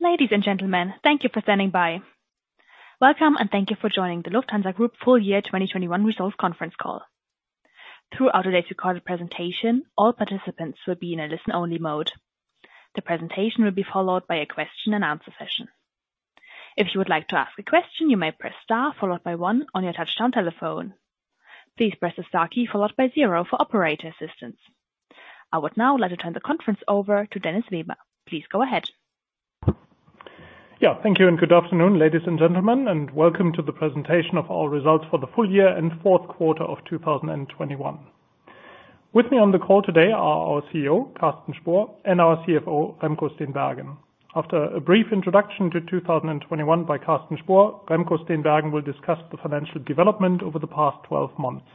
Ladies and gentlemen, thank you for standing by. Welcome, and thank you for joining the Lufthansa Group Full Year 2021 Results Conference Call. Throughout today's recorded presentation, all participants will be in a listen-only mode. The presentation will be followed by a question-and-answer session. If you would like to ask a question, you may press star followed by one on your touchtone telephone. Please press the star key followed by zero for operator assistance. I would now like to turn the conference over to Dennis Weber. Please go ahead. Yeah, thank you, and good afternoon, ladies and gentlemen, and welcome to the presentation of our results for the full year and Q4 of 2021. With me on the call today are our CEO, Carsten Spohr, and our CFO, Remco Steenbergen. After a brief introduction to 2021 by Carsten Spohr, Remco Steenbergen will discuss the financial development over the past 12 months.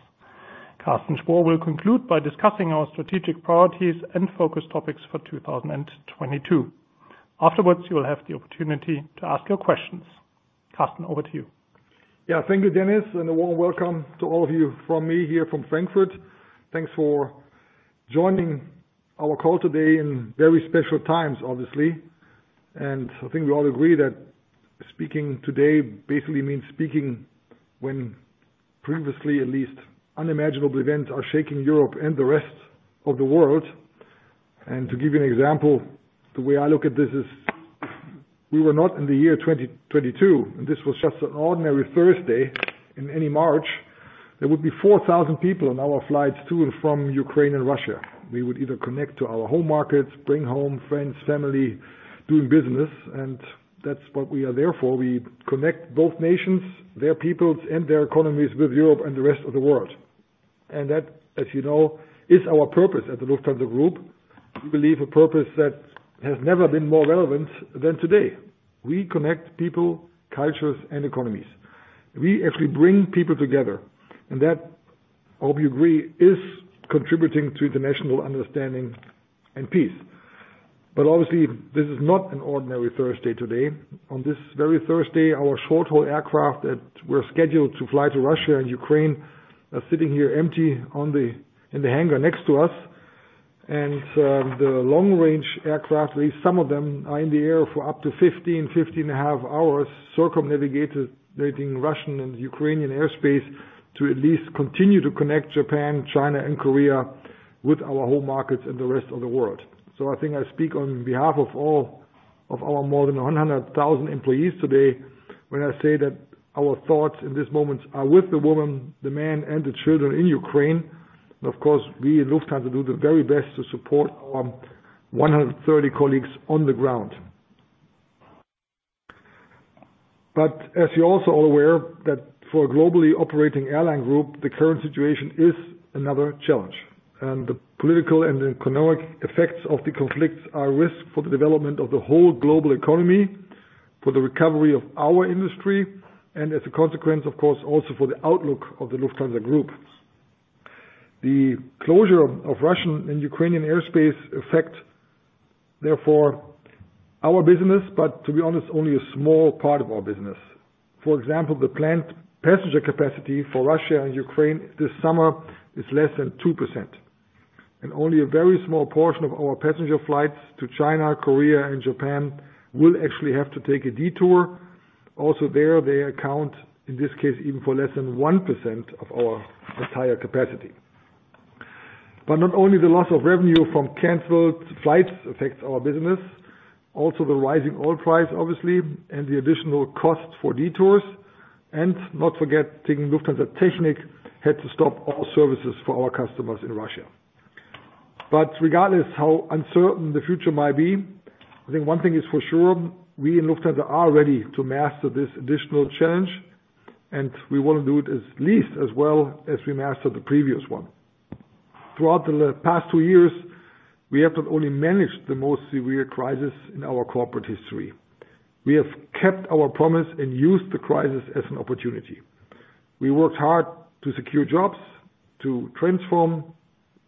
Carsten Spohr will conclude by discussing our strategic priorities and focus topics for 2022. Afterwards, you will have the opportunity to ask your questions. Carsten, over to you. Yeah. Thank you, Dennis, and a warm welcome to all of you from me here from Frankfurt. Thanks for joining our call today in very special times, obviously, and I think we all agree that speaking today basically means speaking when previously at least unimaginable events are shaking Europe and the rest of the world. To give you an example, the way I look at this is we were not in the year 2022, and this was just an ordinary Thursday in any March, there would be 4,000 people on our flights to and from Ukraine and Russia. We would either connect to our home markets, bring home friends, family, doing business, and that's what we are there for. We connect both nations, their peoples and their economies with Europe and the rest of the world. That, as you know, is our purpose at the Lufthansa Group. We believe a purpose that has never been more relevant than today. We connect people, cultures and economies. We actually bring people together, and that, I hope you agree, is contributing to international understanding and peace. Obviously this is not an ordinary Thursday today. On this very Thursday, our short-haul aircraft that were scheduled to fly to Russia and Ukraine are sitting here empty in the hangar next to us. The long-range aircraft, at least some of them, are in the air for up to 15 and a half hours, circumnavigating Russian and Ukrainian airspace to at least continue to connect Japan, China and Korea with our home markets and the rest of the world. I think I speak on behalf of all of our more than 100,000 employees today when I say that our thoughts in this moment are with the women, the men and the children in Ukraine. Of course, we at Lufthansa do the very best to support our 130 colleagues on the ground. As you are all aware that for a globally operating airline group, the current situation is another challenge. The political and economic effects of the conflicts are risks for the development of the whole global economy, for the recovery of our industry, and as a consequence, of course, also for the outlook of the Lufthansa Group. The closure of Russian and Ukrainian airspace affects therefore our business, but to be honest, only a small part of our business. For example, the planned passenger capacity for Russia and Ukraine this summer is less than 2%, and only a very small portion of our passenger flights to China, Korea and Japan will actually have to take a detour. Also there, they account, in this case, even for less than 1% of our entire capacity. Not only the loss of revenue from canceled flights affects our business, also the rising oil price, obviously, and the additional cost for detours, and not forgetting Lufthansa Technik had to stop all services for our customers in Russia. Regardless how uncertain the future might be, I think one thing is for sure, we in Lufthansa are ready to master this additional challenge, and we want to do it at least as well as we mastered the previous one. Throughout the past two years, we have not only managed the most severe crisis in our corporate history, we have kept our promise and used the crisis as an opportunity. We worked hard to secure jobs, to transform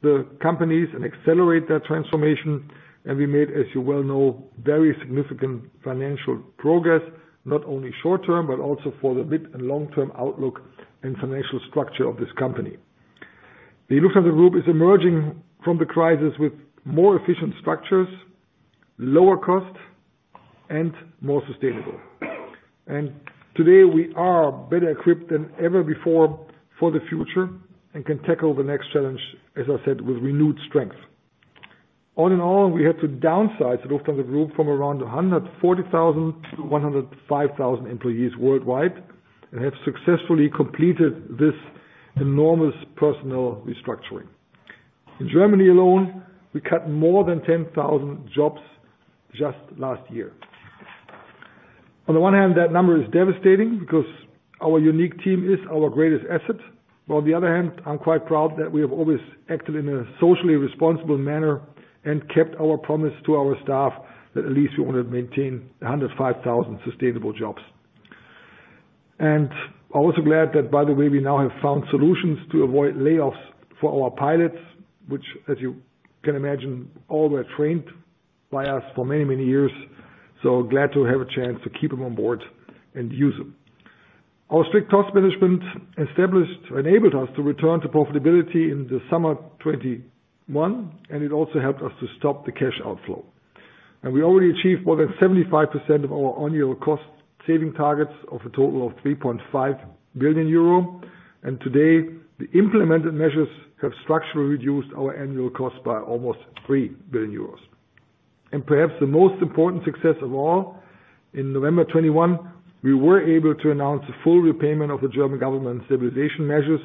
the companies and accelerate their transformation. We made, as you well know, very significant financial progress, not only short-term, but also for the mid and long-term outlook and financial structure of this company. The Lufthansa Group is emerging from the crisis with more efficient structures, lower cost, and more sustainable. Today we are better equipped than ever before for the future and can tackle the next challenge, as I said, with renewed strength. All in all, we had to downsize the Lufthansa Group from around 140,000 to 105,000 employees worldwide and have successfully completed this enormous personnel restructuring. In Germany alone, we cut more than 10,000 jobs just last year. On the one hand, that number is devastating because our unique team is our greatest asset. While on the other hand, I'm quite proud that we have always acted in a socially responsible manner and kept our promise to our staff that at least we want to maintain 105,000 sustainable jobs. I'm also glad that by the way, we now have found solutions to avoid layoffs for our pilots, which as you can imagine, all were trained by us for many, many years. Glad to have a chance to keep them on board and use them. Our strict cost management has enabled us to return to profitability in the summer 2021, and it also helped us to stop the cash outflow. We already achieved more than 75% of our annual cost saving targets of a total of 3.5 billion euro. Today, the implemented measures have structurally reduced our annual cost by almost 3 billion euros. Perhaps the most important success of all, in November 2021, we were able to announce the full repayment of the German government stabilization measures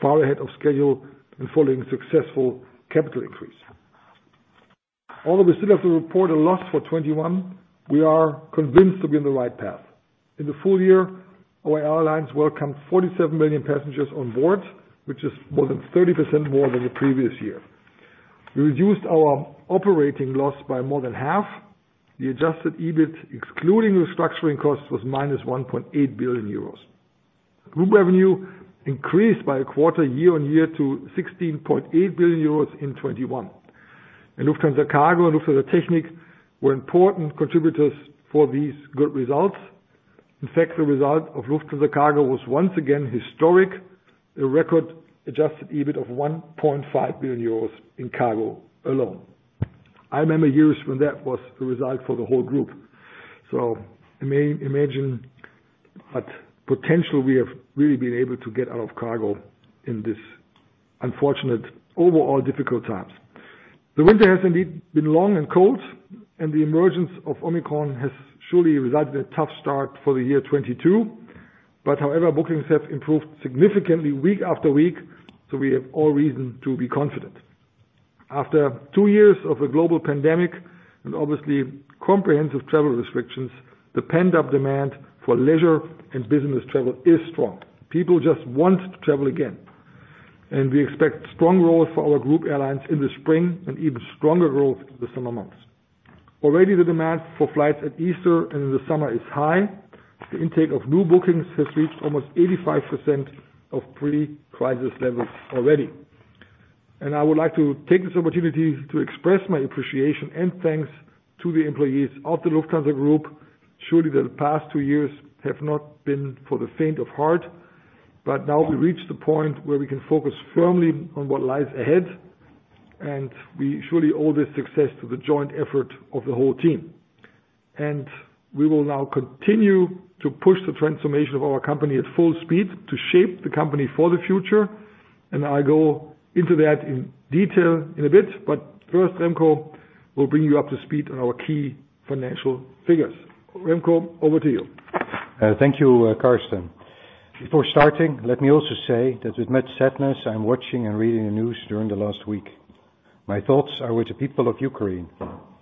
far ahead of schedule and following successful capital increase. Although we still have to report a loss for 2021, we are convinced to be on the right path. In the full year, our airlines welcomed 47 million passengers on board, which is more than 30% more than the previous year. We reduced our operating loss by more than half. The adjusted EBIT, excluding restructuring costs, was -1.8 billion euros. Group revenue increased by a quarter year on year to 16.8 billion euros in 2021. Lufthansa Cargo and Lufthansa Technik were important contributors for these good results. In fact, the result of Lufthansa Cargo was once again historic, a record adjusted EBIT of 1.5 billion euros in cargo alone. I remember years when that was the result for the whole group. Imagine what potential we have really been able to get out of cargo in this unfortunate overall difficult times. The winter has indeed been long and cold, and the emergence of Omicron has surely resulted in a tough start for the year 2022. However, bookings have improved significantly week after week, so we have all reason to be confident. After two years of a global pandemic and obviously comprehensive travel restrictions, the pent-up demand for leisure and business travel is strong. People just want to travel again. We expect strong growth for our group airlines in the spring and even stronger growth the summer months. Already the demand for flights at Easter and in the summer is high. The intake of new bookings has reached almost 85% of pre-crisis levels already. I would like to take this opportunity to express my appreciation and thanks to the employees of the Lufthansa Group. Surely, the past two years have not been for the faint of heart, but now we reach the point where we can focus firmly on what lies ahead, and we surely owe this success to the joint effort of the whole team. We will now continue to push the transformation of our company at full speed to shape the company for the future. I go into that in detail in a bit, but first, Remco will bring you up to speed on our key financial figures. Remco, over to you. Thank you, Carsten. Before starting, let me also say that with much sadness, I'm watching and reading the news during the last week. My thoughts are with the people of Ukraine.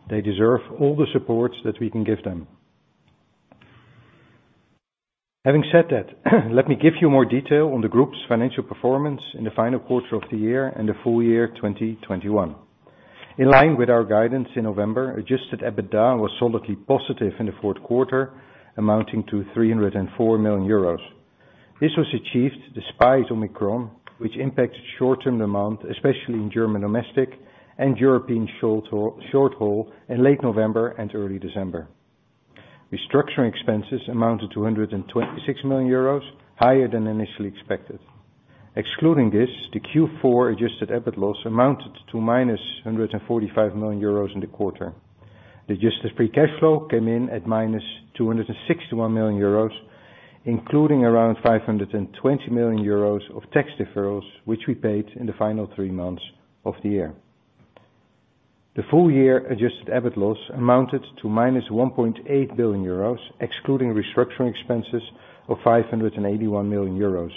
They deserve all the support that we can give them. Having said that, let me give you more detail on the group's financial performance in the final quarter of the year and the full year 2021. In line with our guidance in November, adjusted EBITDA was solidly positive in the Q4, amounting to 304 million euros. This was achieved despite Omicron, which impacted short-term demand, especially in German domestic and European short-haul in late November and early December. Restructuring expenses amounted to 126 million euros, higher than initially expected. Excluding this, the Q4 adjusted EBIT loss amounted to -145 million euros in the quarter. The adjusted free cash flow came in at -261 million euros, including around 520 million euros of tax deferrals, which we paid in the final three months of the year. The full year adjusted EBIT loss amounted to -1.8 billion euros, excluding restructuring expenses of 581 million euros,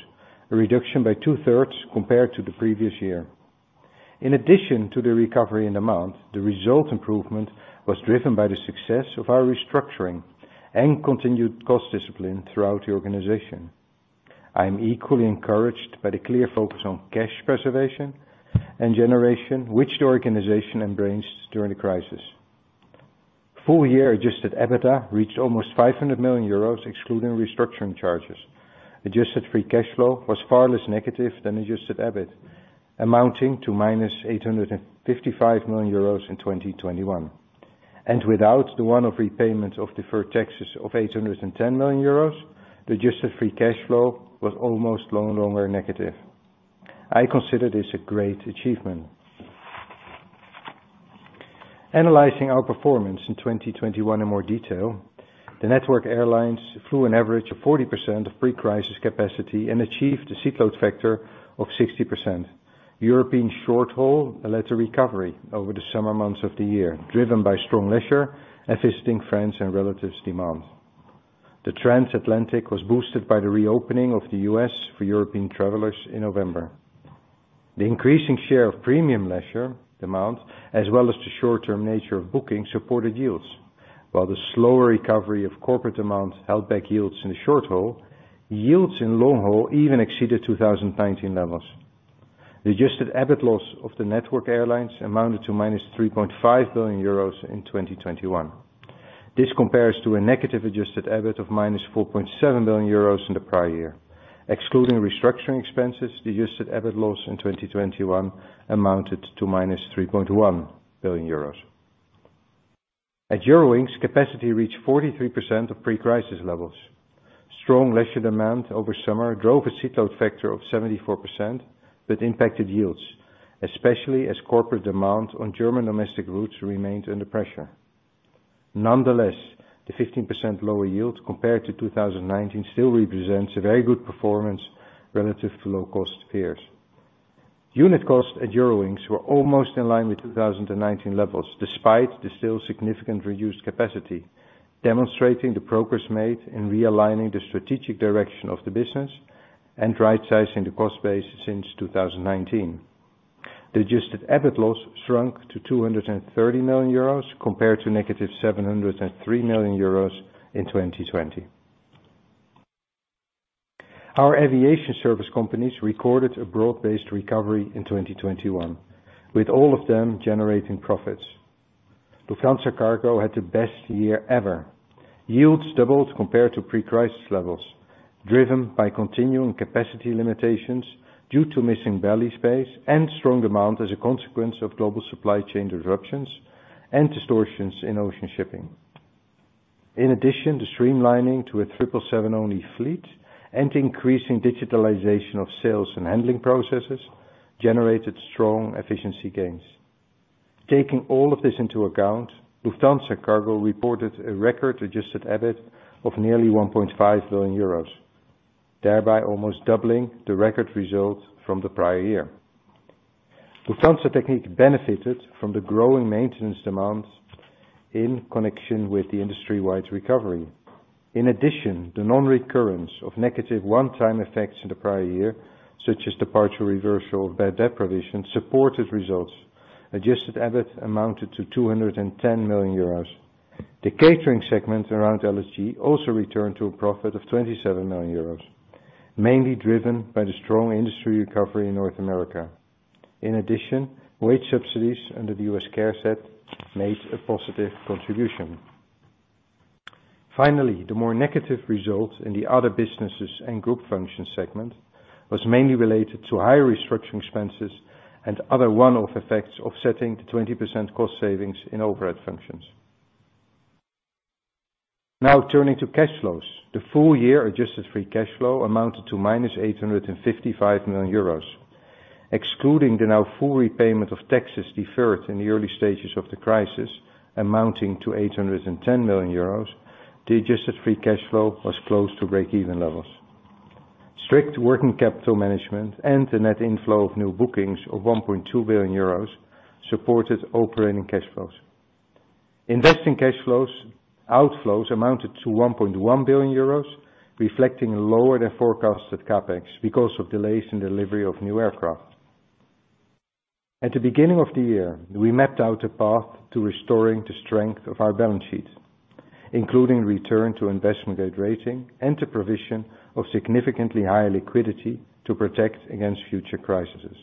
a reduction by two-thirds compared to the previous year. In addition to the recovery in demand, the result improvement was driven by the success of our restructuring and continued cost discipline throughout the organization. I am equally encouraged by the clear focus on cash preservation and generation, which the organization embraced during the crisis. Full year adjusted EBITDA reached almost 500 million euros, excluding restructuring charges. Adjusted free cash flow was far less negative than adjusted EBIT, amounting to -855 million euros in 2021. Without the one-off repayments of deferred taxes of 810 million euros, the adjusted free cash flow was almost no longer negative. I consider this a great achievement. Analyzing our performance in 2021 in more detail, the network airlines flew an average of 40% of pre-crisis capacity and achieved a seat load factor of 60%. European short-haul led to recovery over the summer months of the year, driven by strong leisure and visiting friends and relatives demand. The transatlantic was boosted by the reopening of the U.S. for European travelers in November. The increasing share of premium leisure demand, as well as the short-term nature of bookings, supported yields. While the slower recovery of corporate demand held back yields in the short haul, yields in long haul even exceeded 2019 levels. The adjusted EBIT loss of the network airlines amounted to -3.5 billion euros in 2021. This compares to a negative adjusted EBIT of -4.7 billion euros in the prior year. Excluding restructuring expenses, the adjusted EBIT loss in 2021 amounted to -3.1 billion euros. At Eurowings, capacity reached 43% of pre-crisis levels. Strong leisure demand over summer drove a seat load factor of 74% that impacted yields, especially as corporate demand on German domestic routes remained under pressure. Nonetheless, the 15% lower yields compared to 2019 still represents a very good performance relative to low-cost peers. Unit costs at Eurowings were almost in line with 2019 levels, despite the still significant reduced capacity, demonstrating the progress made in realigning the strategic direction of the business and rightsizing the cost base since 2019. The adjusted EBIT loss shrunk to 230 million euros compared to -703 million euros in 2020. Our aviation service companies recorded a broad-based recovery in 2021, with all of them generating profits. Lufthansa Cargo had the best year ever. Yields doubled compared to pre-crisis levels, driven by continuing capacity limitations due to missing belly space and strong demand as a consequence of global supply chain disruptions and distortions in ocean shipping. In addition, the streamlining to a triple seven-only fleet and increasing digitalization of sales and handling processes generated strong efficiency gains. Taking all of this into account, Lufthansa Cargo reported a record adjusted EBIT of nearly 1.5 billion euros, thereby almost doubling the record results from the prior year. Lufthansa Technik benefited from the growing maintenance demands in connection with the industry-wide recovery. In addition, the nonrecurrence of negative one-time effects in the prior year, such as the partial reversal of bad debt provision, supported results. Adjusted EBIT amounted to 210 million euros. The catering segment around LSG also returned to a profit of 27 million euros, mainly driven by the strong industry recovery in North America. In addition, wage subsidies under the US CARES Act made a positive contribution. Finally, the more negative results in the other businesses and group function segment was mainly related to higher restructuring expenses and other one-off effects offsetting the 20% cost savings in overhead functions. Now turning to cash flows. The full year adjusted free cash flow amounted to -855 million euros. Excluding the now full repayment of taxes deferred in the early stages of the crisis, amounting to 810 million euros, the adjusted free cash flow was close to breakeven levels. Strict working capital management and the net inflow of new bookings of 1.2 billion euros supported operating cash flows. Investing cash flows, outflows amounted to 1.1 billion euros, reflecting lower than forecasted CapEx because of delays in delivery of new aircraft. At the beginning of the year, we mapped out a path to restoring the strength of our balance sheet, including return to investment-grade rating and the provision of significantly higher liquidity to protect against future crises.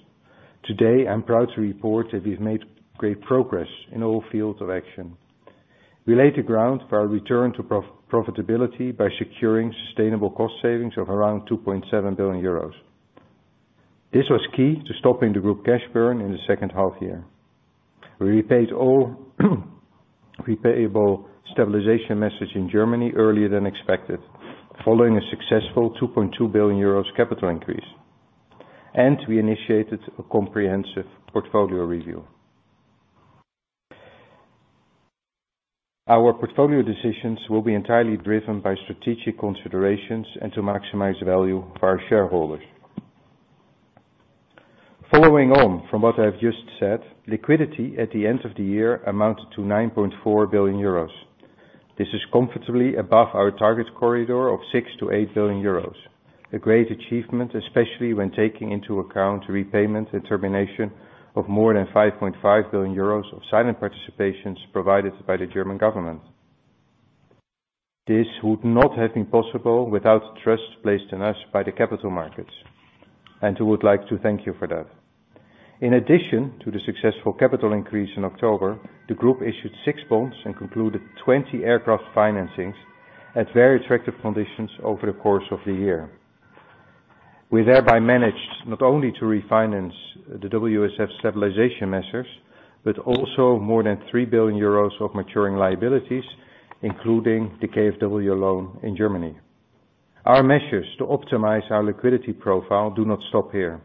Today, I'm proud to report that we've made great progress in all fields of action. We laid the ground for our return to profitability by securing sustainable cost savings of around 2.7 billion euros. This was key to stopping the group cash burn in the second half year. We repaid all repayable stabilization measures in Germany earlier than expected, following a successful 2.2 billion euros capital increase. We initiated a comprehensive portfolio review. Our portfolio decisions will be entirely driven by strategic considerations and to maximize value for our shareholders. Following on from what I've just said, liquidity at the end of the year amounted to 9.4 billion euros. This is comfortably above our target corridor of 6 billion-8 billion euros. A great achievement, especially when taking into account repayment and termination of more than 5.5 billion euros of silent participations provided by the German government. This would not have been possible without the trust placed in us by the capital markets, and we would like to thank you for that. In addition to the successful capital increase in October, the group issued six bonds and concluded 20 aircraft financings at very attractive conditions over the course of the year. We thereby managed not only to refinance the WSF stabilization measures, but also more than 3 billion euros of maturing liabilities, including the KfW loan in Germany. Our measures to optimize our liquidity profile do not stop here.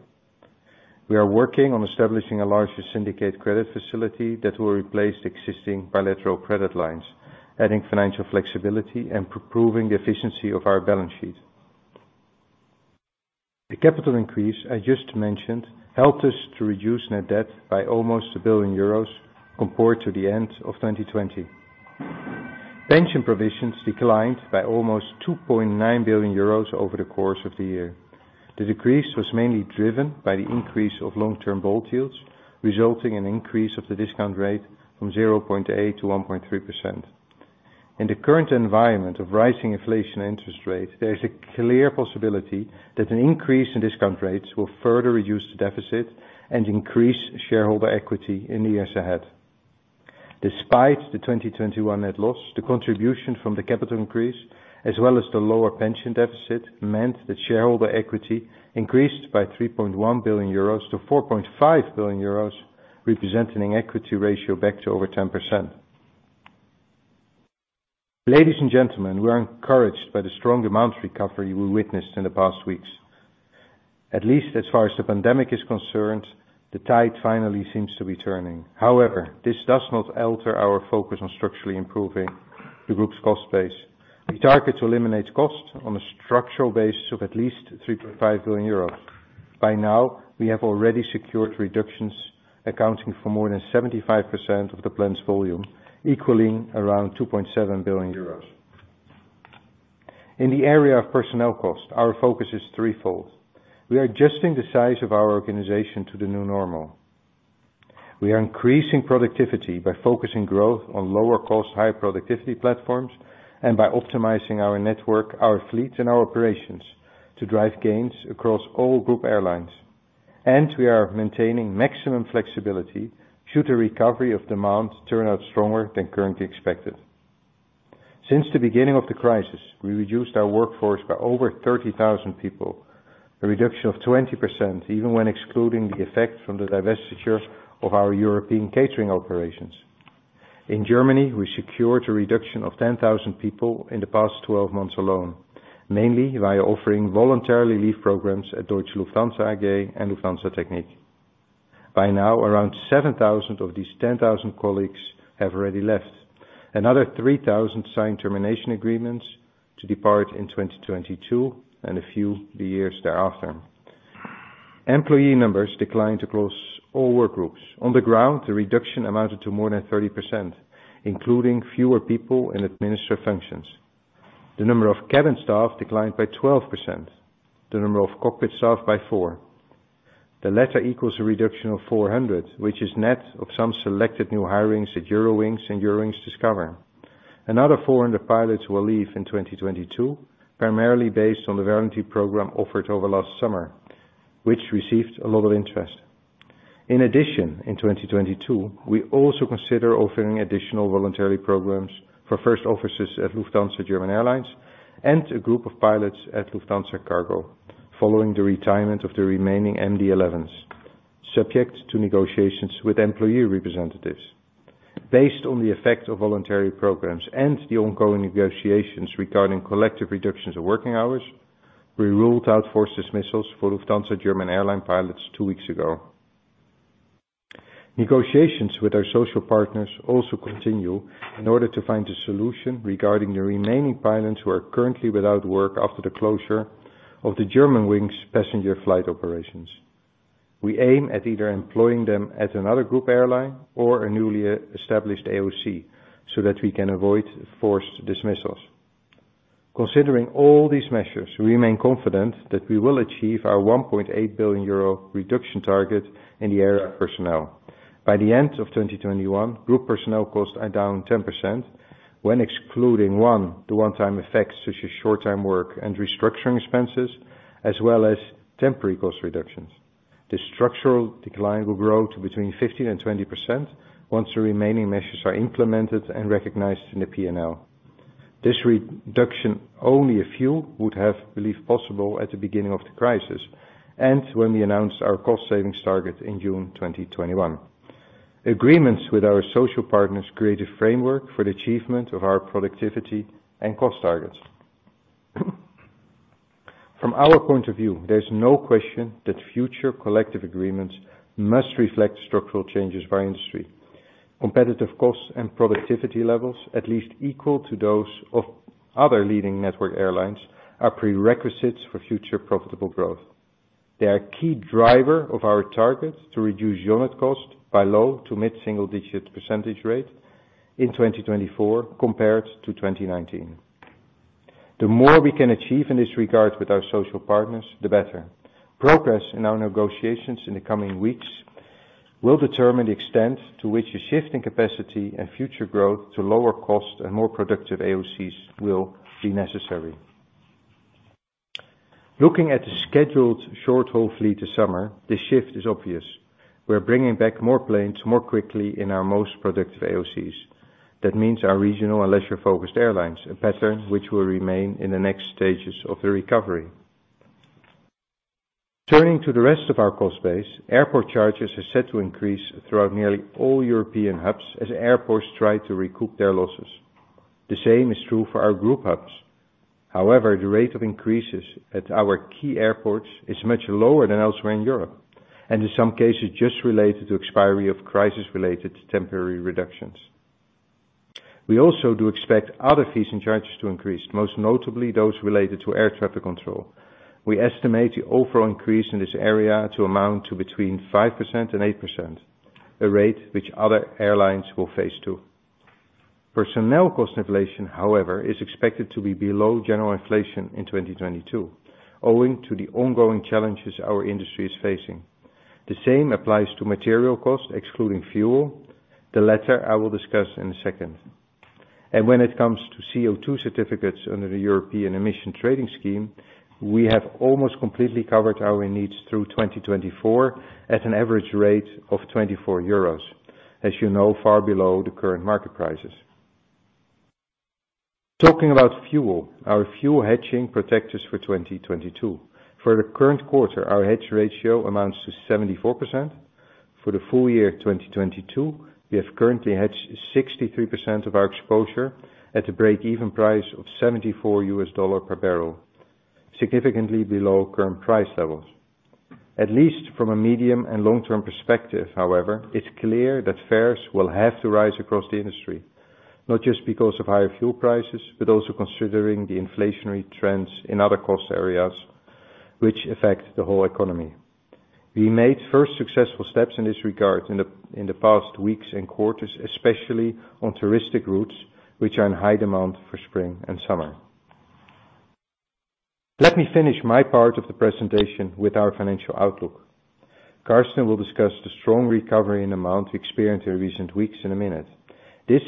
We are working on establishing a larger syndicate credit facility that will replace the existing bilateral credit lines, adding financial flexibility and improving the efficiency of our balance sheet. The capital increase I just mentioned helped us to reduce net debt by almost 1 billion euros compared to the end of 2020. Pension provisions declined by almost 2.9 billion euros over the course of the year. The decrease was mainly driven by the increase of long-term bond yields, resulting in increase of the discount rate from 0.8% to 1.3%. In the current environment of rising inflation interest rates, there is a clear possibility that an increase in discount rates will further reduce the deficit and increase shareholder equity in the years ahead. Despite the 2021 net loss, the contribution from the capital increase, as well as the lower pension deficit, meant that shareholder equity increased by 3.1 billion euros to 4.5 billion euros, representing equity ratio back to over 10%. Ladies and gentlemen, we are encouraged by the strong demand recovery we witnessed in the past weeks. At least as far as the pandemic is concerned, the tide finally seems to be turning. However, this does not alter our focus on structurally improving the group's cost base. We target to eliminate costs on a structural basis of at least 3.5 billion euros. By now, we have already secured reductions accounting for more than 75% of the planned volume, equaling around 2.7 billion euros. In the area of personnel costs, our focus is threefold. We are adjusting the size of our organization to the new normal. We are increasing productivity by focusing growth on lower cost, higher productivity platforms, and by optimizing our network, our fleet, and our operations to drive gains across all group airlines. We are maintaining maximum flexibility should the recovery of demand turn out stronger than currently expected. Since the beginning of the crisis, we reduced our workforce by over 30,000 people, a reduction of 20%, even when excluding the effect from the divestiture of our European catering operations. In Germany, we secured a reduction of 10,000 people in the past 12 months alone, mainly via offering voluntary leave programs at Deutsche Lufthansa AG and Lufthansa Technik. By now, around 7,000 of these 10,000 colleagues have already left. Another 3,000 signed termination agreements to depart in 2022, and a few in the years thereafter. Employee numbers declined across all work groups. On the ground, the reduction amounted to more than 30%, including fewer people in administrative functions. The number of cabin staff declined by 12%. The number of cockpit staff declined by 4%. The latter equals a reduction of 400, which is net of some selected new hirings at Eurowings and Eurowings Discover. Another 400 pilots will leave in 2022, primarily based on the voluntary program offered over last summer, which received a lot of interest. In addition, in 2022, we also consider offering additional voluntary programs for first officers at Lufthansa German Airlines and a group of pilots at Lufthansa Cargo, following the retirement of the remaining MD-11s, subject to negotiations with employee representatives. Based on the effect of voluntary programs and the ongoing negotiations regarding collective reductions of working hours, we ruled out forced dismissals for Lufthansa German Airlines pilots two weeks ago. Negotiations with our social partners also continue in order to find a solution regarding the remaining pilots who are currently without work after the closure of the Germanwings passenger flight operations. We aim at either employing them at another group airline or a newly established AOC so that we can avoid forced dismissals. Considering all these measures, we remain confident that we will achieve our 1.8 billion euro reduction target in the area of personnel. By the end of 2021, group personnel costs are down 10% when excluding, one, the one-time effects such as short-term work and restructuring expenses, as well as temporary cost reductions. The structural decline will grow to between 15% and 20% once the remaining measures are implemented and recognized in the P&L. This reduction, only a few would have believed possible at the beginning of the crisis, and when we announced our cost savings target in June 2021. Agreements with our social partners create a framework for the achievement of our productivity and cost targets. From our point of view, there's no question that future collective agreements must reflect structural changes by industry. Competitive costs and productivity levels, at least equal to those of other leading network airlines, are prerequisites for future profitable growth. They are a key driver of our target to reduce unit cost by low- to mid-single-digit % in 2024 compared to 2019. The more we can achieve in this regard with our social partners, the better. Progress in our negotiations in the coming weeks will determine the extent to which a shift in capacity and future growth to lower cost and more productive AOCs will be necessary. Looking at the scheduled short-haul fleet this summer, this shift is obvious. We're bringing back more planes more quickly in our most productive AOCs. That means our regional and leisure-focused airlines, a pattern which will remain in the next stages of the recovery. Turning to the rest of our cost base, airport charges are set to increase throughout nearly all European hubs as airports try to recoup their losses. The same is true for our group hubs. However, the rate of increases at our key airports is much lower than elsewhere in Europe, and in some cases, just related to expiry of crisis-related temporary reductions. We also do expect other fees and charges to increase, most notably those related to air traffic control. We estimate the overall increase in this area to amount to between 5% and 8%, a rate which other airlines will face, too. Personnel cost inflation, however, is expected to be below general inflation in 2022, owing to the ongoing challenges our industry is facing. The same applies to material costs, excluding fuel. The latter, I will discuss in a second. When it comes to CO2 certificates under the European Union Emissions Trading System, we have almost completely covered our needs through 2024 at an average rate of EUR 24. As you know, far below the current market prices. Talking about fuel, our fuel hedging positions for 2022. For the current quarter, our hedge ratio amounts to 74%. For the full year 2022, we have currently hedged 63% of our exposure at a breakeven price of $74 per barrel, significantly below current price levels. At least from a medium and long-term perspective, however, it's clear that fares will have to rise across the industry, not just because of higher fuel prices, but also considering the inflationary trends in other cost areas which affect the whole economy. We made first successful steps in this regard in the past weeks and quarters, especially on touristic routes, which are in high demand for spring and summer. Let me finish my part of the presentation with our financial outlook. Carsten will discuss the strong recovery in demand experienced in recent weeks in a minute. This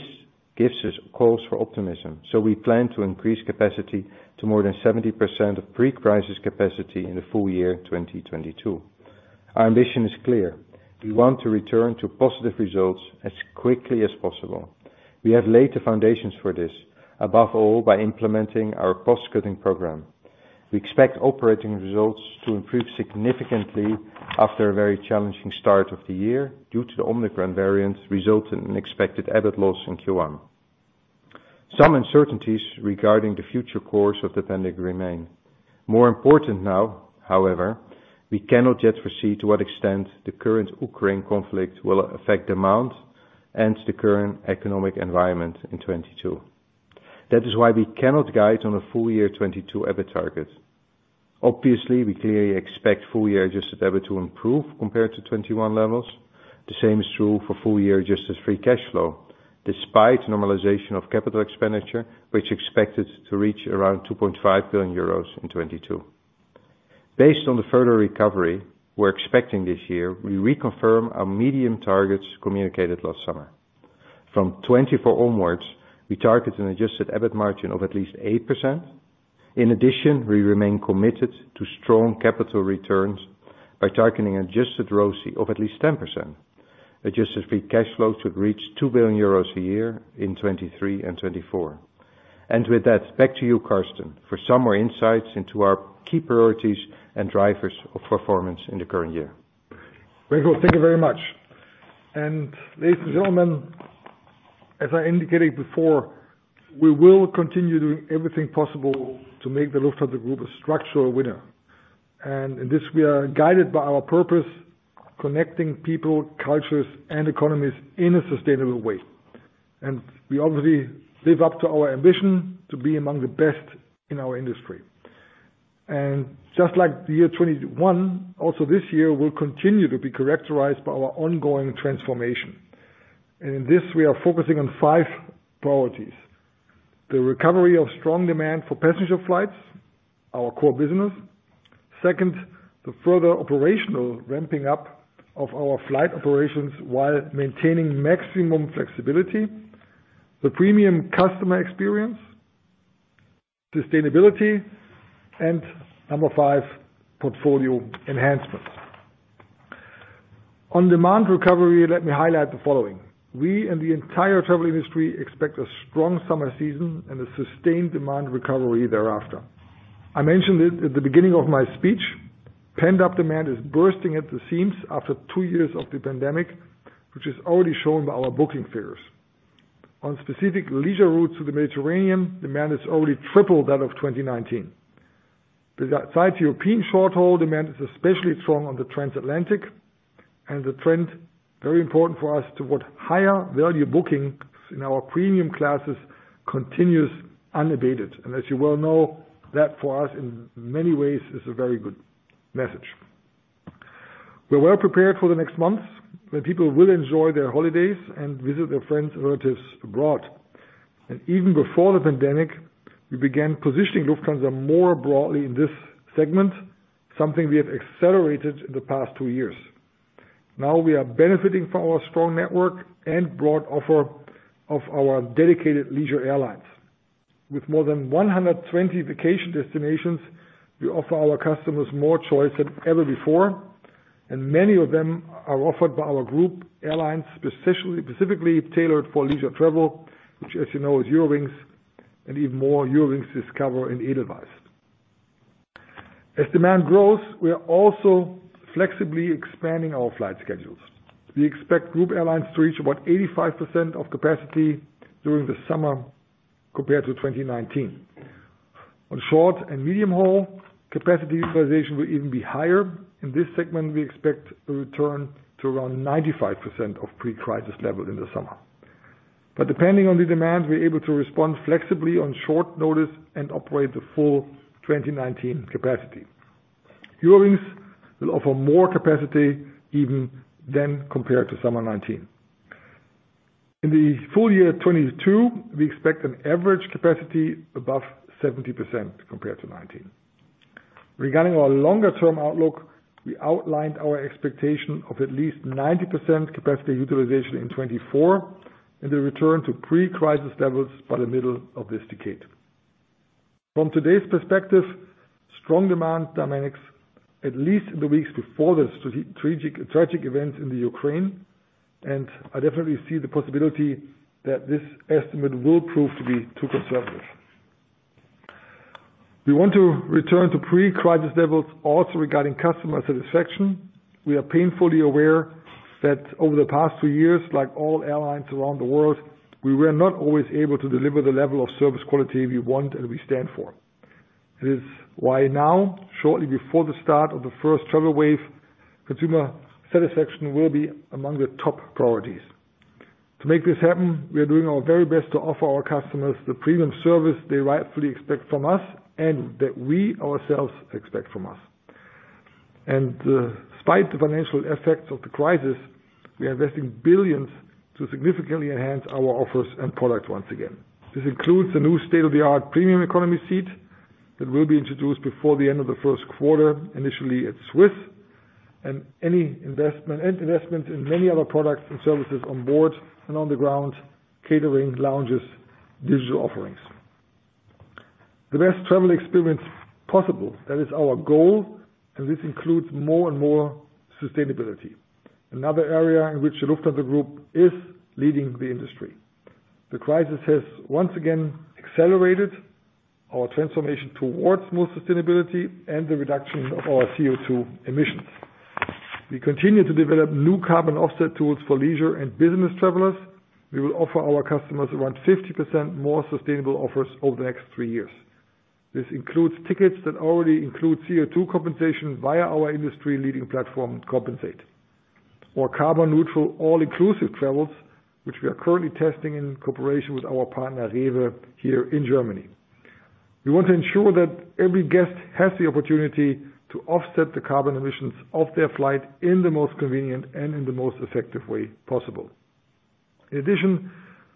gives us cause for optimism, so we plan to increase capacity to more than 70% of pre-crisis capacity in the full year 2022. Our ambition is clear. We want to return to positive results as quickly as possible. We have laid the foundations for this, above all, by implementing our cost-cutting program. We expect operating results to improve significantly after a very challenging start of the year due to the Omicron variant, resulting in expected EBIT loss in Q1. Some uncertainties regarding the future course of the pandemic remain. More important now, however, we cannot yet foresee to what extent the current Ukraine conflict will affect demand and the current economic environment in 2022. That is why we cannot guide on a full year 2022 EBIT target. Obviously, we clearly expect full year adjusted EBIT to improve compared to 2021 levels. The same is true for full year adjusted free cash flow, despite normalization of capital expenditure, which is expected to reach around 2.5 billion euros in 2022. Based on the further recovery we're expecting this year, we reconfirm our medium targets communicated last summer. From 2024 onwards, we target an adjusted EBIT margin of at least 8%. In addition, we remain committed to strong capital returns by targeting adjusted ROCE of at least 10%. Adjusted free cash flow should reach 2 billion euros a year in 2023 and 2024. With that, back to you, Carsten, for some more insights into our key priorities and drivers of performance in the current year. Very good. Thank you very much. Ladies and gentlemen, as I indicated before, we will continue doing everything possible to make the Lufthansa Group a structural winner. In this, we are guided by our purpose, connecting people, cultures, and economies in a sustainable way. We obviously live up to our ambition to be among the best in our industry. Just like the year 2021, also this year will continue to be characterized by our ongoing transformation. In this, we are focusing on five priorities: the recovery of strong demand for passenger flights, our core business. Second, the further operational ramping up of our flight operations while maintaining maximum flexibility. The premium customer experience, sustainability, and number five, portfolio enhancements. On demand recovery, let me highlight the following. We and the entire travel industry expect a strong summer season and a sustained demand recovery thereafter. I mentioned it at the beginning of my speech. Pent-up demand is bursting at the seams after two years of the pandemic, which is already shown by our booking fares. On specific leisure routes to the Mediterranean, demand has already tripled that of 2019. Besides European short-haul, demand is especially strong on the transatlantic, and the trend, very important for us, toward higher value bookings in our premium classes continues unabated. As you well know, that for us in many ways is a very good message. We're well prepared for the next months when people will enjoy their holidays and visit their friends and relatives abroad. Even before the pandemic, we began positioning Lufthansa more broadly in this segment, something we have accelerated in the past two years. Now we are benefiting from our strong network and broad offer of our dedicated leisure airlines. With more than 120 vacation destinations, we offer our customers more choice than ever before, and many of them are offered by our group airlines, specifically tailored for leisure travel, which as you know, is Eurowings and even more Eurowings Discover and Edelweiss. As demand grows, we are also flexibly expanding our flight schedules. We expect group airlines to reach about 85% of capacity during the summer compared to 2019. On short and medium-haul, capacity utilization will even be higher. In this segment, we expect a return to around 95% of pre-crisis level in the summer. Depending on the demand, we're able to respond flexibly on short notice and operate the full 2019 capacity. Eurowings will offer more capacity even than compared to summer 2019. In the full year 2022, we expect an average capacity above 70% compared to 2019. Regarding our longer-term outlook, we outlined our expectation of at least 90% capacity utilization in 2024, and a return to pre-crisis levels by the middle of this decade. From today's perspective, strong demand dynamics, at least in the weeks before the tragic events in the Ukraine, and I definitely see the possibility that this estimate will prove to be too conservative. We want to return to pre-crisis levels also regarding customer satisfaction. We are painfully aware that over the past two years, like all airlines around the world, we were not always able to deliver the level of service quality we want and we stand for. It is why now, shortly before the start of the first travel wave, consumer satisfaction will be among the top priorities. To make this happen, we are doing our very best to offer our customers the premium service they rightfully expect from us and that we ourselves expect from us. Despite the financial effects of the crisis, we are investing billions to significantly enhance our offers and product once again. This includes the new state-of-the-art Premium Economy seat that will be introduced before the end of the Q1, initially at Swiss, and investment in many other products and services on board and on the ground, catering, lounges, digital offerings. The best travel experience possible, that is our goal, and this includes more and more sustainability. Another area in which Lufthansa Group is leading the industry. The crisis has once again accelerated our transformation towards more sustainability and the reduction of our CO₂ emissions. We continue to develop new carbon offset tools for leisure and business travelers. We will offer our customers around 50% more sustainable offers over the next three years. This includes tickets that already include CO₂ compensation via our industry-leading platform, Compensaid, or carbon neutral all-inclusive travels, which we are currently testing in cooperation with our partner, REWE, here in Germany. We want to ensure that every guest has the opportunity to offset the carbon emissions of their flight in the most convenient and in the most effective way possible. In addition,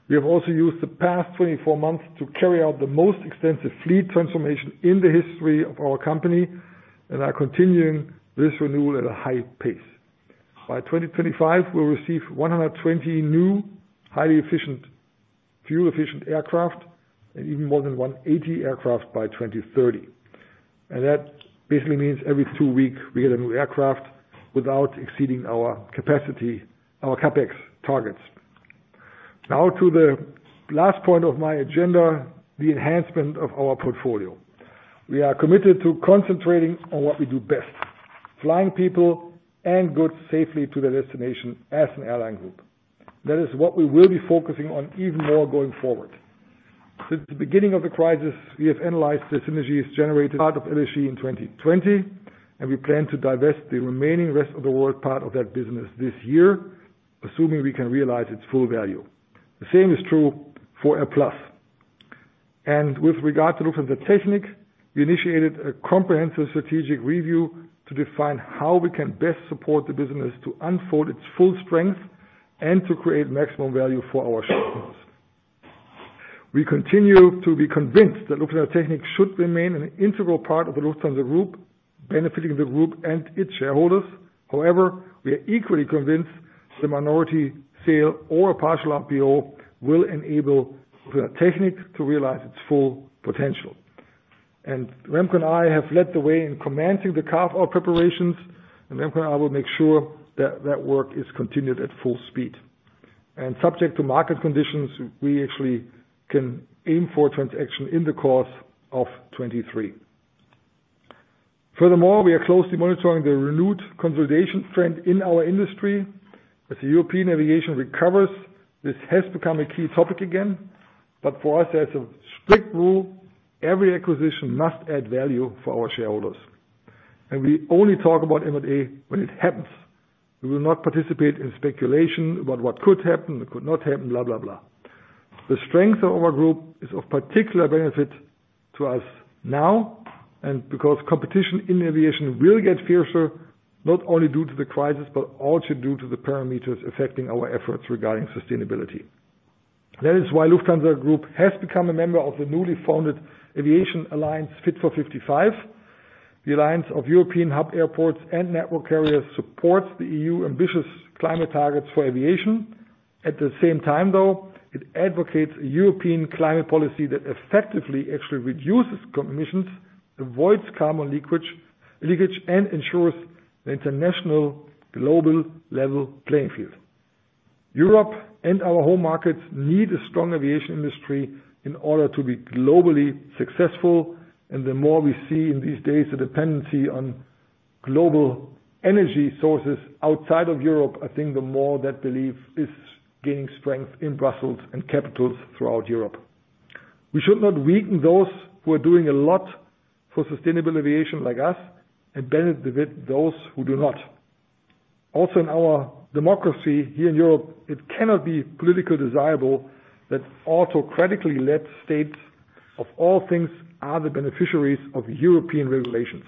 we have also used the past 24 months to carry out the most extensive fleet transformation in the history of our company, and are continuing this renewal at a high pace. By 2025, we'll receive 120 new, highly efficient, fuel-efficient aircraft, and even more than 180 aircraft by 2030. That basically means every two weeks we get a new aircraft without exceeding our capacity, our CapEx targets. Now to the last point of my agenda, the enhancement of our portfolio. We are committed to concentrating on what we do best, flying people and goods safely to their destination as an airline group. That is what we will be focusing on even more going forward. Since the beginning of the crisis, we have analyzed the synergies generated out of LSG in 2020, and we plan to divest the remaining rest of the world part of that business this year, assuming we can realize its full value. The same is true for AirPlus. With regard to Lufthansa Technik, we initiated a comprehensive strategic review to define how we can best support the business to unfold its full strength and to create maximum value for our shareholders. We continue to be convinced that Lufthansa Technik should remain an integral part of the Lufthansa Group, benefiting the group and its shareholders. However, we are equally convinced that the minority sale or partial MBO will enable Lufthansa Technik to realize its full potential. Remco and I have led the way in commanding the carve-out preparations, and Remco and I will make sure that work is continued at full speed. Subject to market conditions, we actually can aim for transaction in the course of 2023. Furthermore, we are closely monitoring the renewed consolidation trend in our industry. As the European aviation recovers, this has become a key topic again, but for us, as a strict rule, every acquisition must add value for our shareholders. We only talk about M&A when it happens. We will not participate in speculation about what could happen, what could not happen, blah, blah. The strength of our group is of particular benefit to us now, and because competition in aviation will get fiercer, not only due to the crisis, but also due to the parameters affecting our efforts regarding sustainability. That is why Lufthansa Group has become a member of the newly founded aviation alliance, Fit for 55. The alliance of European hub airports and network carriers supports the EU ambitious climate targets for aviation. At the same time, though, it advocates a European climate policy that effectively actually reduces emissions, avoids carbon leakage, and ensures the international global level playing field. Europe and our home markets need a strong aviation industry in order to be globally successful. The more we see in these days a dependency on global energy sources outside of Europe, I think the more that belief is gaining strength in Brussels and capitals throughout Europe. We should not weaken those who are doing a lot for sustainable aviation like us and benefit those who do not. Also in our democracy here in Europe, it cannot be politically desirable that autocratically led states, of all things, are the beneficiaries of European regulations.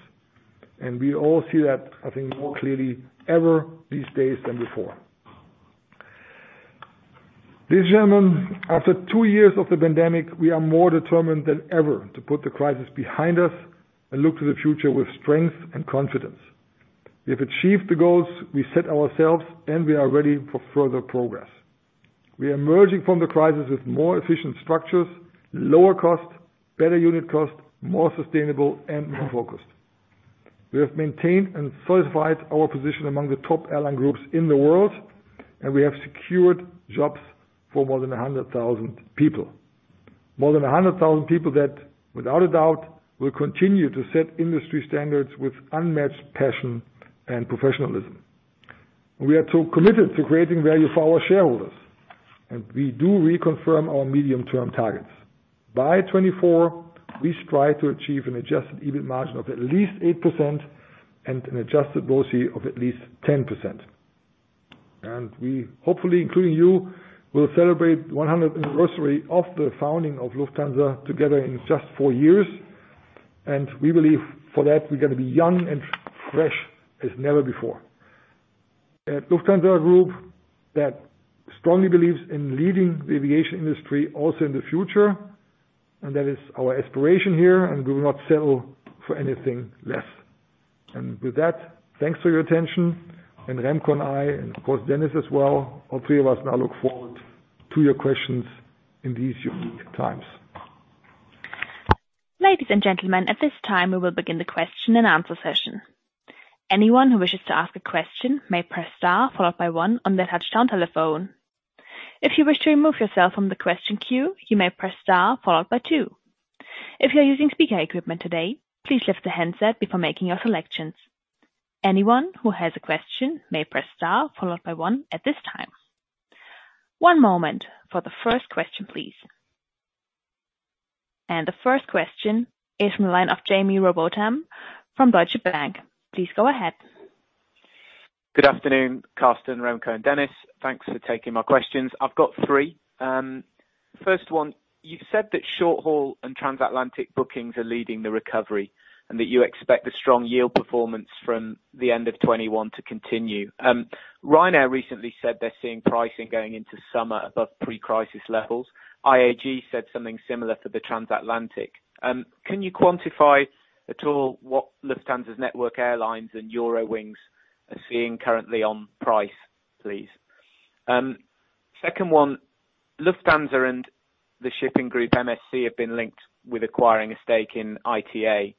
We all see that, I think, more clearly ever these days than before. Ladies and gentlemen, after two years of the pandemic, we are more determined than ever to put the crisis behind us and look to the future with strength and confidence. We have achieved the goals we set ourselves, and we are ready for further progress. We are emerging from the crisis with more efficient structures, lower costs, better unit costs, more sustainable and more focused. We have maintained and solidified our position among the top airline groups in the world, and we have secured jobs for more than 100,000 people. More than 100,000 people that without a doubt will continue to set industry standards with unmatched passion and professionalism. We are too committed to creating value for our shareholders, and we do reconfirm our medium-term targets. By 2024, we strive to achieve an adjusted EBIT margin of at least 8% and an adjusted ROCE of at least 10%. We hopefully, including you, will celebrate 100th anniversary of the founding of Lufthansa together in just four years. We believe for that we're gonna be young and fresh as never before. At Lufthansa Group that strongly believes in leading the aviation industry also in the future, and that is our aspiration here, and we will not settle for anything less. With that, thanks for your attention, and Remco and I, and of course, Dennis as well, all three of us now look forward to your questions in these unique times. Ladies and gentlemen, at this time, we will begin the question and answer session. Anyone who wishes to ask a question may press star followed by one on their touchtone telephone. If you wish to remove yourself from the question queue, you may press star followed by two. If you're using speaker equipment today, please lift the handset before making your selections. Anyone who has a question may press star followed by one at this time. One moment for the first question, please. The first question is from the line of Jaime Rowbotham from Deutsche Bank. Please go ahead. Good afternoon, Carsten, Remco, and Dennis. Thanks for taking my questions. I've got three. First one, you've said that short-haul and Trans-Atlantic bookings are leading the recovery and that you expect the strong yield performance from the end of 2021 to continue. Ryanair recently said they're seeing pricing going into summer above pre-crisis levels. IAG said something similar for the Trans-Atlantic. Can you quantify at all what Lufthansa's Network Airlines and Eurowings are seeing currently on price, please? Second one, Lufthansa and the shipping group MSC have been linked with acquiring a stake in ITA.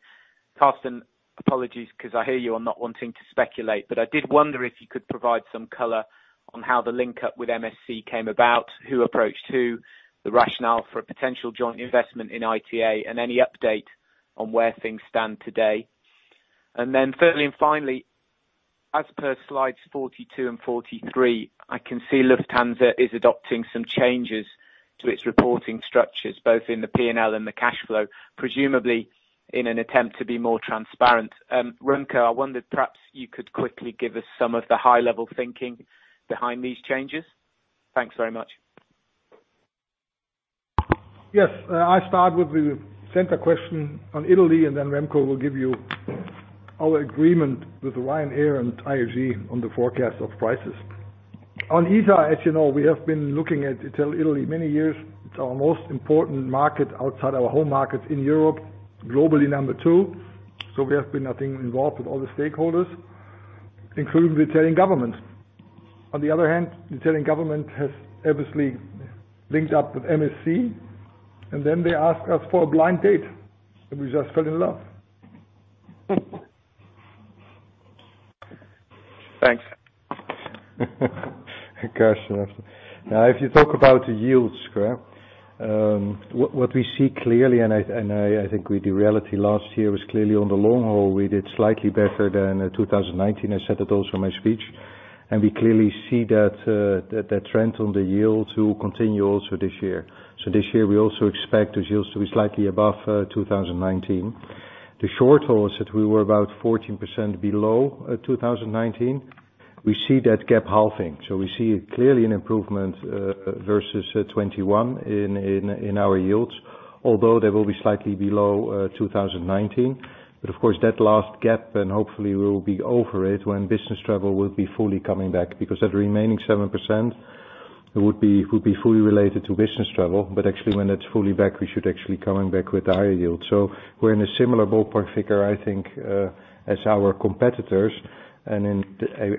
Carsten, apologies because I hear you on not wanting to speculate, but I did wonder if you could provide some color on how the link up with MSC came about, who approached who, the rationale for a potential joint investment in ITA, and any update on where things stand today. Thirdly, and finally, as per slides 42 and 43, I can see Lufthansa is adopting some changes to its reporting structures, both in the P&L and the cash flow, presumably in an attempt to be more transparent. Remco, I wondered, perhaps you could quickly give us some of the high level thinking behind these changes. Thanks very much. Yes. I start with the central question on Italy, and then Remco will give you our agreement with Ryanair and IAG on the forecast of prices. On ITA, as you know, we have been looking at Italy many years. It's our most important market outside our home market in Europe, globally number two. We have been, I think, involved with all the stakeholders, including the Italian government. On the other hand, the Italian government has obviously linked up with MSC, and then they asked us for a blind date, and we just fell in love. Thanks. Now, if you talk about yields, what we see clearly, I think the reality last year was clearly on the long haul, we did slightly better than 2019. I said that also in my speech. We clearly see that that trend on the yields will continue also this year. This year we also expect the yields to be slightly above 2019. The short hauls that we were about 14% below 2019, we see that gap halving. We see clearly an improvement versus 2021 in our yields, although they will be slightly below 2019. Of course, that last gap, and hopefully we will be over it when business travel will be fully coming back because that remaining 7% would be fully related to business travel. Actually when it's fully back, we should actually coming back with a higher yield. We're in a similar ballpark figure, I think, as our competitors. Then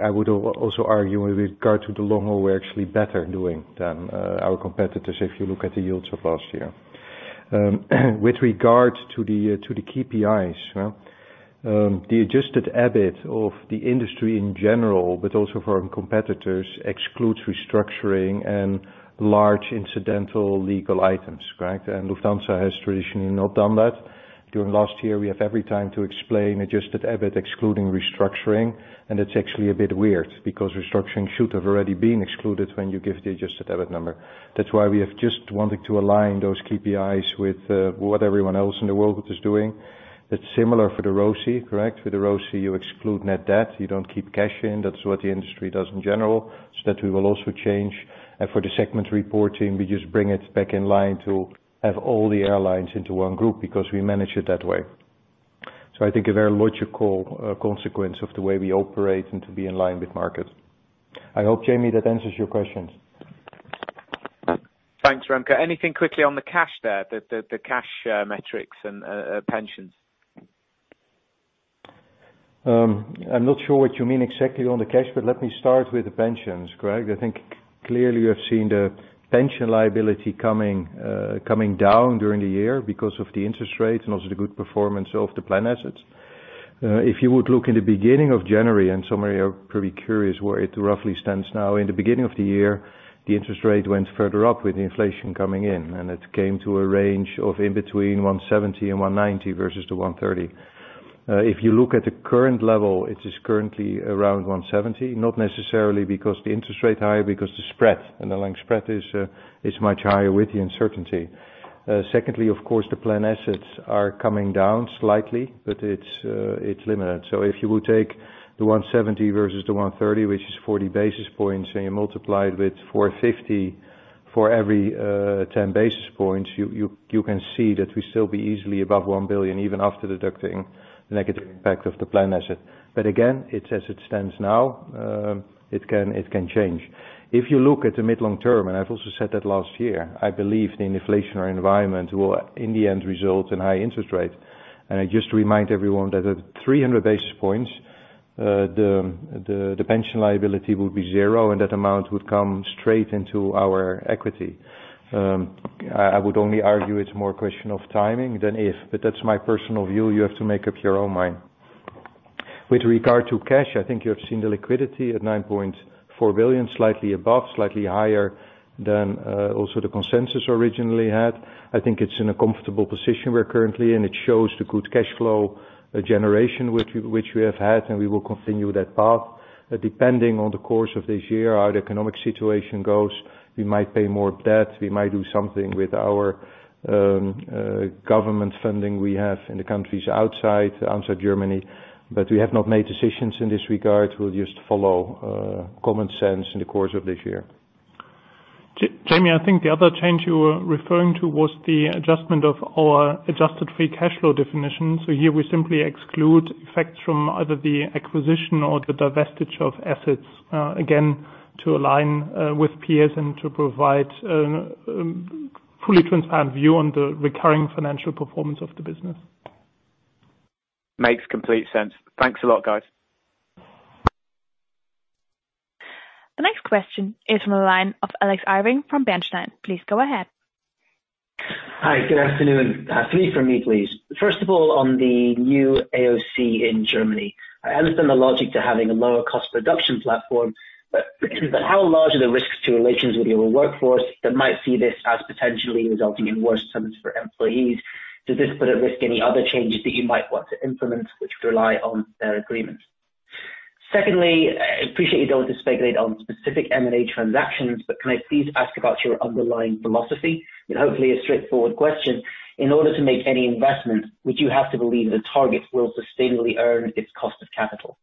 I would also argue with regard to the long haul, we're actually better doing than our competitors if you look at the yields of last year. With regard to the KPIs, the adjusted EBIT of the industry in general, but also from competitors, excludes restructuring and large incidental legal items, correct? Lufthansa has traditionally not done that. During last year, we have every time to explain adjusted EBIT excluding restructuring, and it's actually a bit weird because restructuring should have already been excluded when you give the adjusted EBIT number. That's why we have just wanting to align those KPIs with what everyone else in the world is doing. That's similar for the ROCE, correct? With the ROCE, you exclude net debt. You don't keep cash in. That's what the industry does in general. That we will also change. For the segment reporting, we just bring it back in line to have all the airlines into one group because we manage it that way. I think a very logical consequence of the way we operate and to be in line with market. I hope, Jamie, that answers your questions. Thanks, Remco. Anything quickly on the cash there, the cash, metrics and pensions? I'm not sure what you mean exactly on the cash, but let me start with the pensions, correct? I think. Clearly you have seen the pension liability coming down during the year because of the interest rates and also the good performance of the plan assets. If you would look in the beginning of January, and some of you are pretty curious where it roughly stands now. In the beginning of the year, the interest rate went further up with inflation coming in, and it came to a range of between 1.70% and 1.90% versus the 1.30%. If you look at the current level, it is currently around 1.70%, not necessarily because the interest rate higher because the spread, and the length spread is much higher with the uncertainty. Secondly, of course, the plan assets are coming down slightly, but it's limited. If you will take the 170 versus the 130, which is 40 basis points, and you multiply it with 450 for every 10 basis points, you can see that we still be easily above 1 billion even after deducting the negative impact of the plan asset. Again, it's as it stands now, it can change. If you look at the mid-long term, and I've also said that last year, I believe the inflationary environment will in the end result in high interest rates. Just to remind everyone that at 300 basis points, the pension liability would be zero, and that amount would come straight into our equity. I would only argue it's more a question of timing than if, but that's my personal view. You have to make up your own mind. With regard to cash, I think you have seen the liquidity at 9.4 billion, slightly above, slightly higher than also the consensus originally had. I think it's in a comfortable position we're currently in. It shows the good cash flow generation which we have had, and we will continue that path. Depending on the course of this year, how the economic situation goes, we might pay more debt, we might do something with our government funding we have in the countries outside Germany. We have not made decisions in this regard. We'll just follow common sense in the course of this year. Jamie, I think the other change you were referring to was the adjustment of our adjusted free cash flow definition. Here we simply exclude effects from either the acquisition or the divestiture of assets, again, to align with peers and to provide fully transparent view on the recurring financial performance of the business. Makes complete sense. Thanks a lot, guys. The next question is from the line of Alex Irving from Bernstein. Please go ahead. Hi, good afternoon. Three from me, please. First of all, on the new AOC in Germany. I understand the logic to having a lower cost production platform, but how large are the risks to relations with your workforce that might see this as potentially resulting in worse terms for employees? Does this put at risk any other changes that you might want to implement which rely on their agreements? Secondly, I appreciate you don't want to speculate on specific M&A transactions, but can I please ask about your underlying philosophy? Hopefully a straightforward question, in order to make any investment, would you have to believe the target will sustainably earn its cost of capital?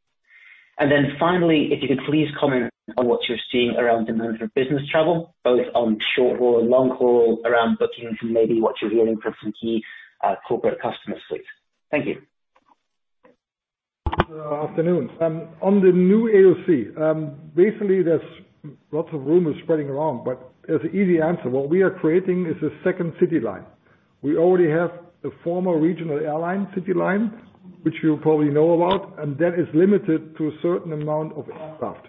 Finally, if you could please comment on what you're seeing around demand for business travel, both on short haul and long haul around bookings, and maybe what you're hearing from some key, corporate customers, please. Thank you. Afternoon. On the new AOC, basically, there's lots of rumors spreading around, but as easy answer, what we are creating is a second CityLine. We already have the former regional airline CityLine, which you probably know about, and that is limited to a certain amount of aircraft.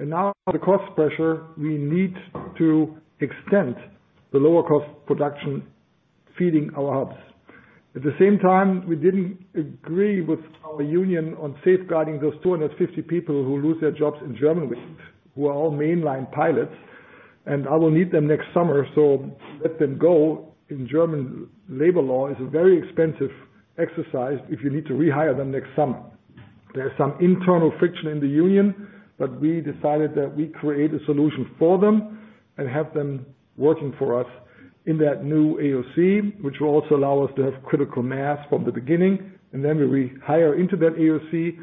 Now the cost pressure, we need to extend the lower cost production feeding our hubs. At the same time, we didn't agree with our union on safeguarding those 250 people who lose their jobs in Germany, who are all mainline pilots, and I will need them next summer. Let them go in German labor law is a very expensive exercise if you need to rehire them next summer. There's some internal friction in the union, but we decided that we create a solution for them and have them working for us in that new AOC, which will also allow us to have critical mass from the beginning. Then we rehire into that AOC,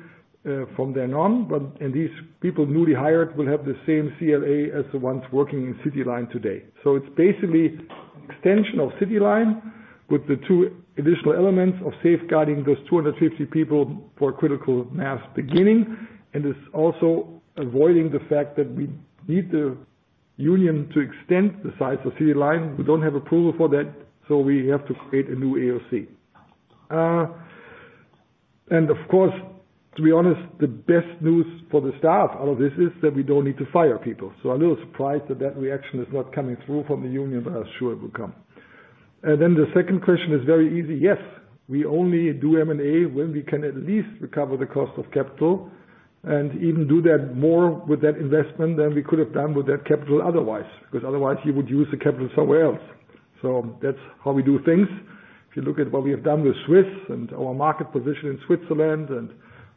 from then on. These people newly hired will have the same CLA as the ones working in CityLine today. It's basically extension of CityLine with the two additional elements of safeguarding those 250 people for critical mass beginning. It's also avoiding the fact that we need the union to extend the size of CityLine. We don't have approval for that, so we have to create a new AOC. Of course, to be honest, the best news for the staff out of this is that we don't need to fire people. A little surprised that that reaction is not coming through from the union, but I'm sure it will come. The second question is very easy. Yes, we only do M&A when we can at least recover the cost of capital and even do that more with that investment than we could have done with that capital otherwise, because otherwise you would use the capital somewhere else. That's how we do things. If you look at what we have done with Swiss and our market position in Switzerland and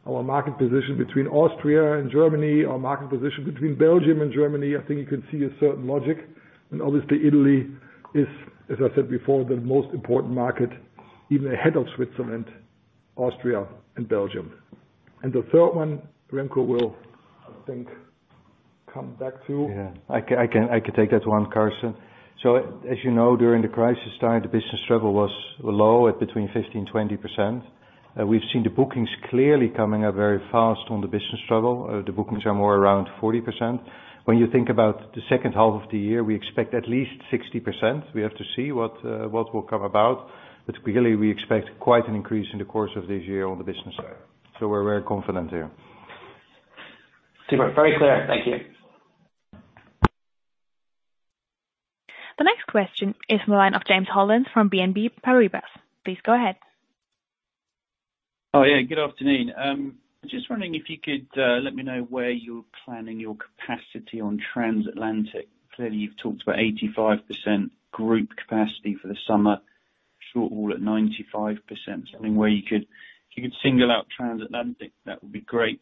our market position between Austria and Germany, our market position between Belgium and Germany, I think you can see a certain logic. Obviously, Italy is, as I said before, the most important market, even ahead of Switzerland, Austria, and Belgium. The third one, Remco will, I think, come back to. Yeah, I can take that one, Carsten. As you know, during the crisis time, the business travel was low at between 15%-20%. We've seen the bookings clearly coming up very fast on the business travel. The bookings are more around 40%. When you think about the second half of the year, we expect at least 60%. We have to see what will come about. Clearly, we expect quite an increase in the course of this year on the business side. We're very confident here. Super, very clear. Thank you. The next question is in the line of James Hollins from BNP Paribas. Please go ahead. Oh, yeah, good afternoon. Just wondering if you could let me know where you're planning your capacity on transatlantic. Clearly, you've talked about 85% group capacity for the summer, short haul at 95%. If you could single out transatlantic, that would be great.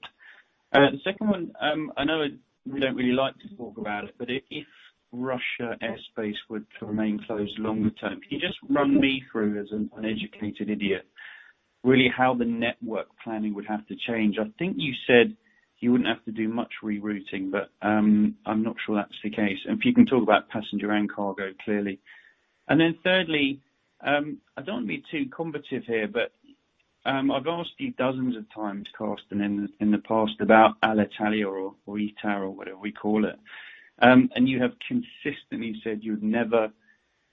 The second one, I know we don't really like to talk about it, but if Russian airspace were to remain closed longer term, can you just run me through, as an uneducated idiot, really how the network planning would have to change? I think you said you wouldn't have to do much rerouting, but I'm not sure that's the case. If you can talk about passenger and cargo, clearly. Thirdly, I don't want to be too combative here, but I've asked you dozens of times, Carsten, in the past about Alitalia or ITA or whatever we call it, and you have consistently said you would never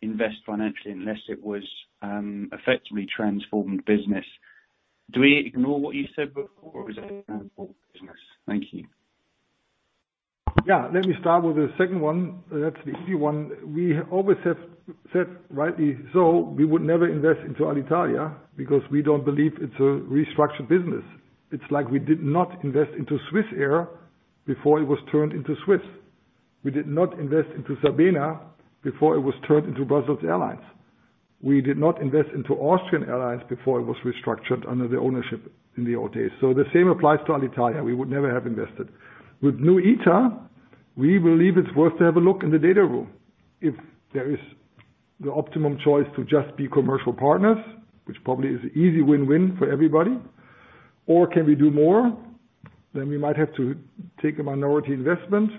invest financially unless it was effectively transformed business. Do we ignore what you said before, or is it transformed business? Thank you. Yeah. Let me start with the second one. That's the easy one. We always have said, rightly so, we would never invest into Alitalia because we don't believe it's a restructured business. It's like we did not invest into Swissair before it was turned into Swiss. We did not invest into Sabena before it was turned into Brussels Airlines. We did not invest into Austrian Airlines before it was restructured under the ownership in the old days. The same applies to Alitalia. We would never have invested. With new ITA, we believe it's worth to have a look in the data room. If there is the optimum choice to just be commercial partners, which probably is easy win-win for everybody, or can we do more? Then we might have to take a minority investment.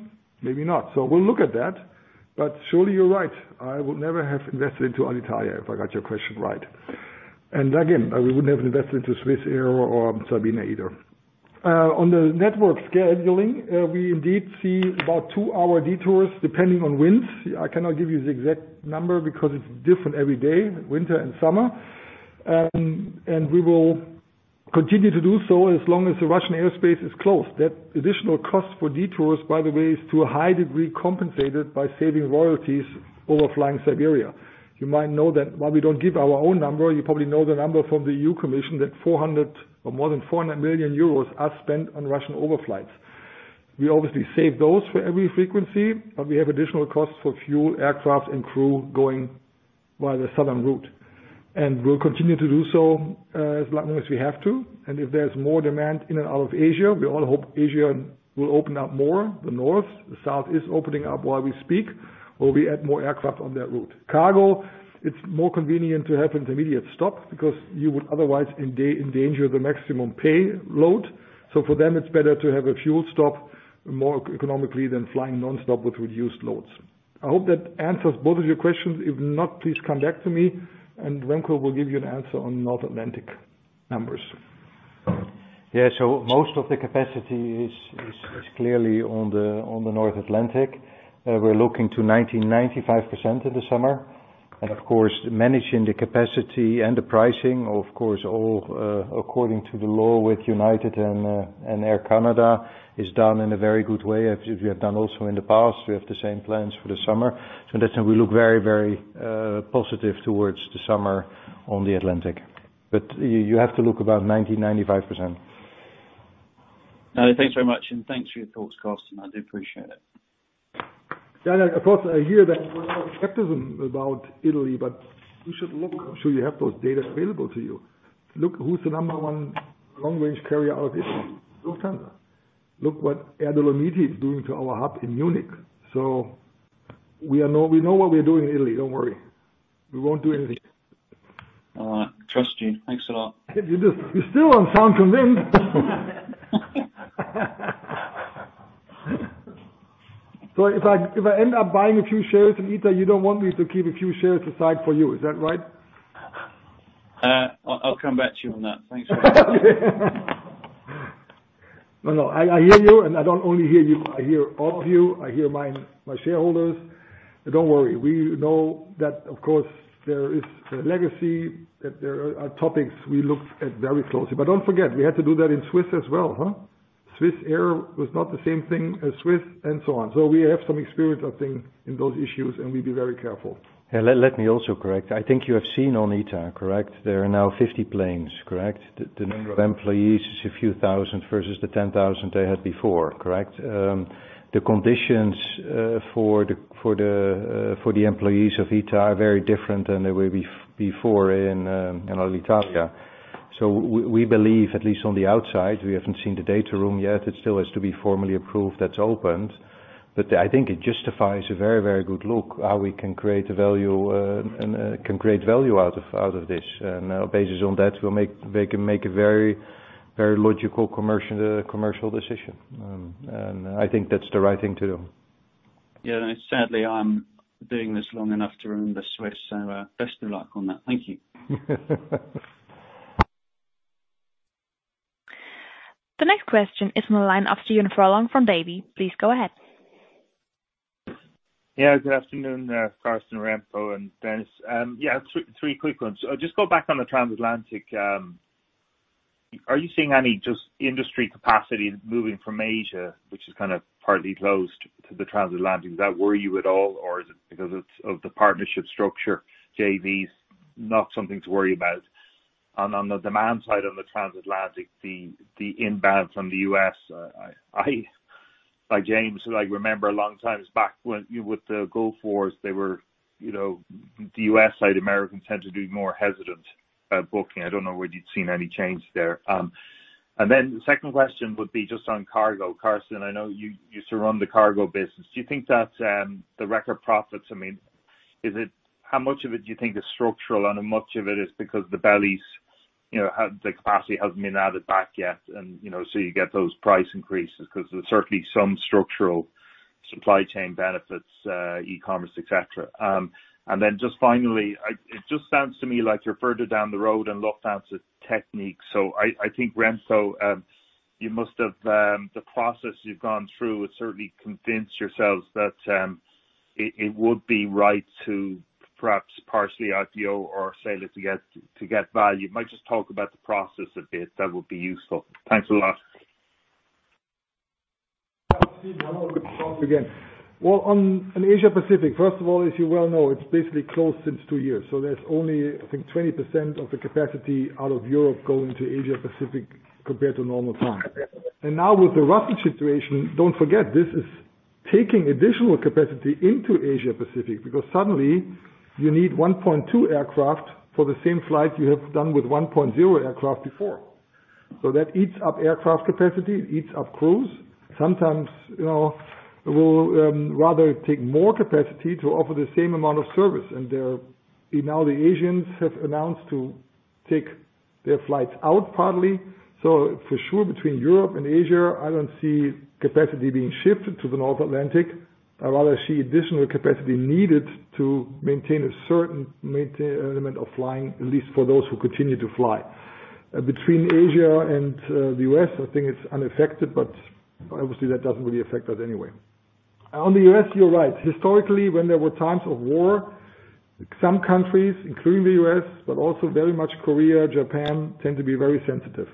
Maybe not. We'll look at that. Surely, you're right. I would never have invested into Alitalia, if I got your question right. Again, we wouldn't have invested into Swissair or Sabena either. On the network scheduling, we indeed see about two-hour detours depending on winds. I cannot give you the exact number because it's different every day, winter and summer. We will continue to do so as long as the Russian airspace is closed. That additional cost for detours, by the way, is to a high degree compensated by saving royalties over flying Siberia. You might know that while we don't give our own number, you probably know the number from the European Commission, that 400 million or more than 400 million euros are spent on Russian overflights. We obviously save those for every frequency, but we have additional costs for fuel, aircraft, and crew going via the southern route. We'll continue to do so, as long as we have to. If there's more demand in and out of Asia, we all hope Asia will open up more, the north. The south is opening up while we speak, or we add more aircraft on that route. Cargo, it's more convenient to have intermediate stop because you would otherwise endanger the maximum payload. So for them, it's better to have a fuel stop more economically than flying nonstop with reduced loads. I hope that answers both of your questions. If not, please come back to me, and Remco will give you an answer on North Atlantic numbers. Yeah. So most of the capacity is clearly on the North Atlantic. We're looking to 95% in the summer. Of course, managing the capacity and the pricing, of course, all according to the law with United and Air Canada is done in a very good way, as we have done also in the past. We have the same plans for the summer. In that sense, we look very positive towards the summer on the Atlantic. You have to look about 95%. All right. Thanks very much, and thanks for your thoughts, Carsten. I do appreciate it. Yeah, of course, I hear that skepticism about Italy, but you should look. I'm sure you have those data available to you. Look who's the number one long-range carrier out of Italy. Lufthansa. Look what Air Dolomiti is doing to our hub in Munich. We know what we're doing in Italy, don't worry. We won't do anything. All right. Trust you. Thanks a lot. You do. You still don't sound convinced. If I end up buying a few shares in ITA, you don't want me to keep a few shares aside for you, is that right? I'll come back to you on that. Thanks. No, no, I hear you, and I don't only hear you, I hear all of you. I hear my shareholders. Don't worry, we know that, of course, there is a legacy, that there are topics we looked at very closely. Don't forget, we had to do that in Swiss as well, huh? Swissair was not the same thing as Swiss, and so on. We have some experience, I think, in those issues, and we'll be very careful. Yeah, let me also correct. I think you have seen on ITA, correct? There are now 50 planes, correct? The number of employees is a few thousand versus the 10,000 they had before, correct? The conditions for the employees of ITA are very different than they were before in Alitalia. We believe, at least on the outside, we haven't seen the data room yet. It still has to be formally approved that's opened. I think it justifies a very good look how we can create value and can create value out of this. On that basis, they can make a very logical commercial decision. I think that's the right thing to do. Yeah. Sadly, I'm doing this long enough to remember Swiss, so, best of luck on that. Thank you. The next question is from the line of Stephen Furlong from Davy. Please go ahead. Yeah, good afternoon, Carsten, Remco, and Dennis. Yeah, three quick ones. Just go back on the transatlantic. Are you seeing any industry capacity moving from Asia, which is kind of partly closed to the transatlantic? Does that worry you at all, or is it because of the partnership structure, JVs, not something to worry about? On the demand side of the transatlantic, the inbound from the U.S., I like James, like remember a long time back when, with the Gulf Wars, they were, you know, the U.S.-side Americans tend to be more hesitant at booking. I don't know whether you've seen any change there. The second question would be just on cargo. Carsten, I know you used to run the cargo business. Do you think that the record profits, I mean, is it, how much of it do you think is structural and how much of it is because the bellies, you know, have, the capacity hasn't been added back yet and, you know, so you get those price increases? 'Cause there's certainly some structural supply chain benefits, e-commerce, et cetera. Just finally, it just sounds to me like you're further down the road than Lufthansa Technik. I think, Remco, you must have, the process you've gone through has certainly convinced yourselves that it would be right to perhaps partially IPO or sell it to get value. Might just talk about the process a bit. That would be useful. Thanks a lot. Yeah, Stephen, hello. Good to talk again. Well, on Asia-Pacific, first of all, as you well know, it's basically closed since two years. There's only, I think, 20% of the capacity out of Europe going to Asia-Pacific compared to normal times. Now with the Russia situation, don't forget, this is taking additional capacity into Asia-Pacific because suddenly you need 1.2 aircraft for the same flight you have done with 1.0 aircraft before. That eats up aircraft capacity, eats up crews. Sometimes, you know, we'll rather take more capacity to offer the same amount of service. There, now the Asians have announced to take their flights out partly. For sure, between Europe and Asia, I don't see capacity being shifted to the North Atlantic. I rather see additional capacity needed to maintain a certain element of flying, at least for those who continue to fly. Between Asia and the U.S., I think it's unaffected, but obviously that doesn't really affect us anyway. On the U.S., you're right. Historically, when there were times of war, some countries, including the U.S., but also very much Korea, Japan, tend to be very sensitive.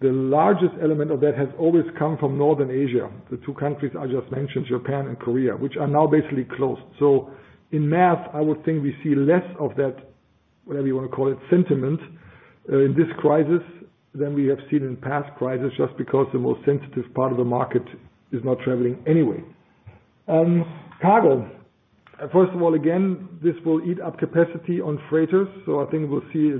The largest element of that has always come from Northern Asia, the two countries I just mentioned, Japan and Korea, which are now basically closed. So in math, I would think we see less of that, whatever you want to call it, sentiment, in this crisis than we have seen in past crisis, just because the most sensitive part of the market is not traveling anyway. Cargo. First of all, again, this will eat up capacity on freighters. I think we'll see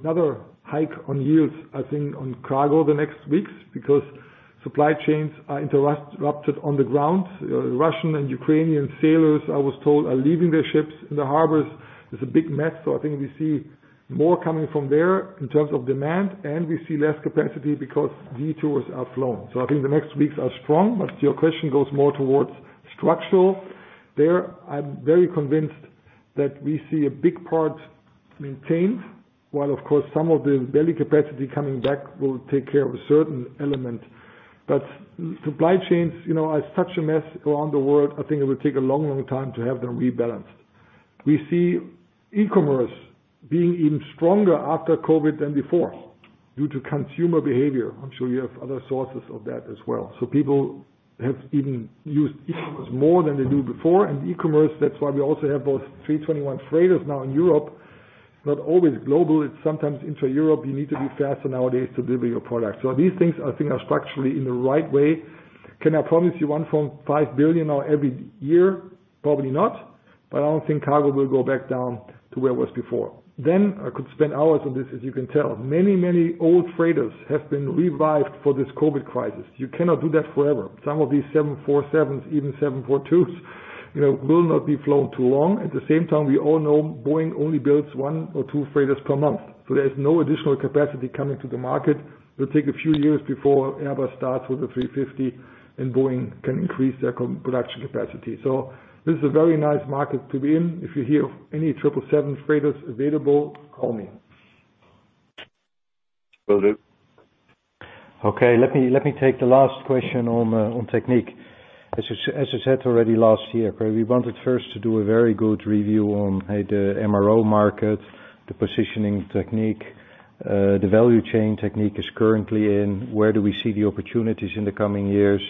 another hike on yields, I think, on cargo the next weeks because supply chains are interrupted on the ground. Russian and Ukrainian sailors, I was told, are leaving their ships in the harbors. There's a big mess, so I think we see more coming from there in terms of demand, and we see less capacity because detours are flown. I think the next weeks are strong, but your question goes more towards structural. There, I'm very convinced that we see a big part maintained, while of course, some of the belly capacity coming back will take care of a certain element. Supply chains, you know, are such a mess around the world. I think it will take a long, long time to have them rebalanced. We see e-commerce being even stronger after COVID than before due to consumer behavior. I'm sure you have other sources of that as well. People have even used e-commerce more than they do before. E-commerce, that's why we also have those 321 freighters now in Europe. Not always global, it's sometimes intra-Europe, you need to be faster nowadays to deliver your product. These things, I think, are structurally in the right way. Can I promise you 1.5 billion now every year? Probably not. I don't think cargo will go back down to where it was before. I could spend hours on this, as you can tell. Many, many old freighters have been revived for this COVID crisis. You cannot do that forever. Some of these 747s, even 742s, you know, will not be flown too long. At the same time, we all know Boeing only builds one or two freighters per month. There's no additional capacity coming to the market. It'll take a few years before Airbus starts with the A350 and Boeing can increase their combined production capacity. This is a very nice market to be in. If you hear of any 777 freighters available, call me. Will do. Okay. Let me take the last question on Technik. As I said already last year, where we wanted first to do a very good review on A, the MRO market, the positioning of Technik, the value chain Technik is currently in, where do we see the opportunities in the coming years,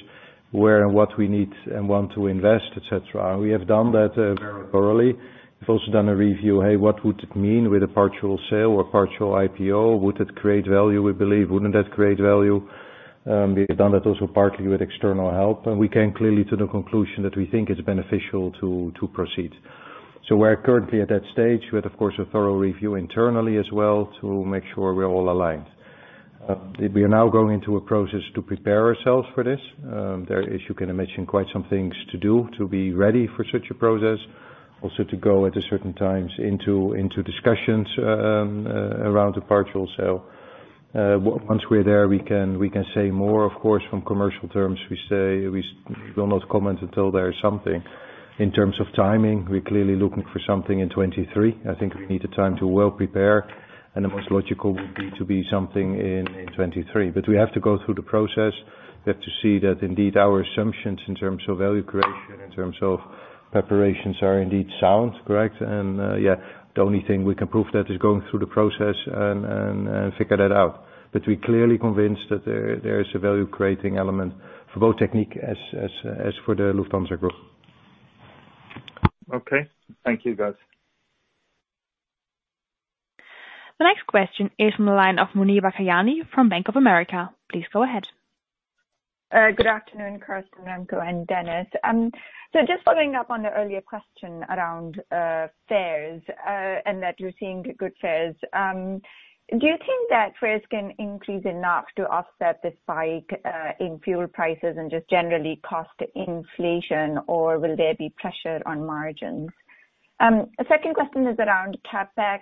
where and what we need and want to invest, et cetera. We have done that very thoroughly. We've also done a review, hey, what would it mean with a partial sale or partial IPO? Would it create value we believe? Wouldn't that create value? We have done that also partly with external help, and we came clearly to the conclusion that we think it's beneficial to proceed. We're currently at that stage. We had, of course, a thorough review internally as well to make sure we're all aligned. We are now going into a process to prepare ourselves for this. There is, you can imagine, quite some things to do to be ready for such a process, also to go at certain times into discussions around the partial sale. Once we're there, we can say more, of course, from commercial terms. We will not comment until there is something. In terms of timing, we're clearly looking for something in 2023. I think we need the time to well prepare, and the most logical would be to be something in 2023. We have to go through the process. We have to see that indeed our assumptions in terms of value creation, in terms of preparations are indeed sound, correct? The only thing we can prove that is going through the process and figure that out. We're clearly convinced that there is a value-creating element for both Technik as for the Lufthansa Group. Okay, thank you guys. The next question is on the line of Muneeba Kayani from Bank of America. Please go ahead. Good afternoon, Carsten, Remco, and Dennis. Just following up on the earlier question around fares and that you're seeing good fares. Do you think that fares can increase enough to offset the spike in fuel prices and just generally cost inflation, or will there be pressure on margins? A second question is around CapEx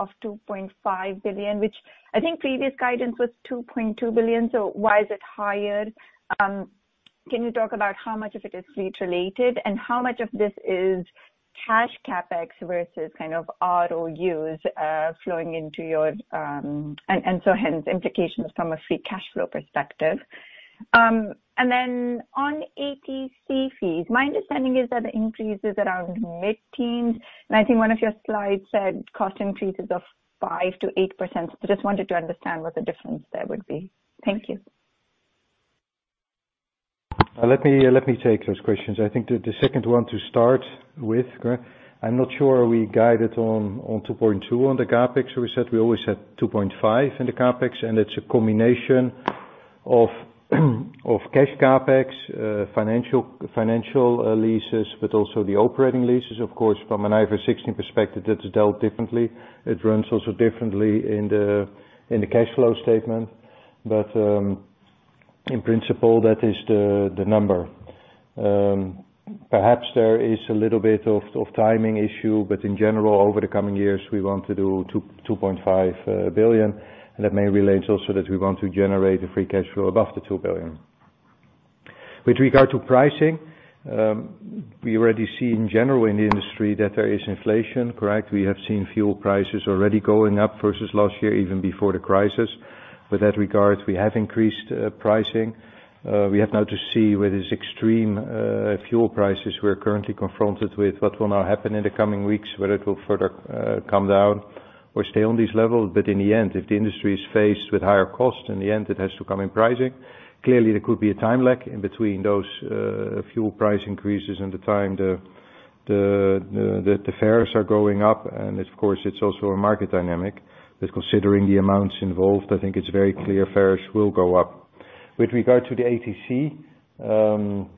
of 2.5 billion, which I think previous guidance was 2.2 billion, so why is it higher? Can you talk about how much of it is fleet-related, and how much of this is cash CapEx versus kind of ROUs flowing into your and so the implications from a free cash flow perspective. On ATC fees, my understanding is that the increase is around mid-teens, and I think one of your slides said cost increases of 5% to 8%. Just wanted to understand what the difference there would be. Thank you. Let me take those questions. I think the second one to start with, correct? I'm not sure we guided on 2.2 billion on the CapEx. We said we always had 2.5 billion in the CapEx, and it's a combination of cash CapEx, financial leases, but also the operating leases of course from an IFRS 16 perspective, that is dealt differently. It runs also differently in the cash flow statement. In principle, that is the number. Perhaps there is a little bit of timing issue, but in general, over the coming years, we want to do 2.5 billion. That may relate also that we want to generate a free cash flow above 2 billion. With regard to pricing, we already see in general in the industry that there is inflation, correct? We have seen fuel prices already going up versus last year, even before the crisis. With that regard, we have increased pricing. We have now to see with this extreme fuel prices we're currently confronted with what will now happen in the coming weeks, whether it will further come down or stay on this level. In the end, if the industry is faced with higher costs, in the end it has to come in pricing. Clearly, there could be a time lag in between those fuel price increases and the time that the fares are going up. Of course, it's also a market dynamic. Considering the amounts involved, I think it's very clear fares will go up. With regard to the ATC,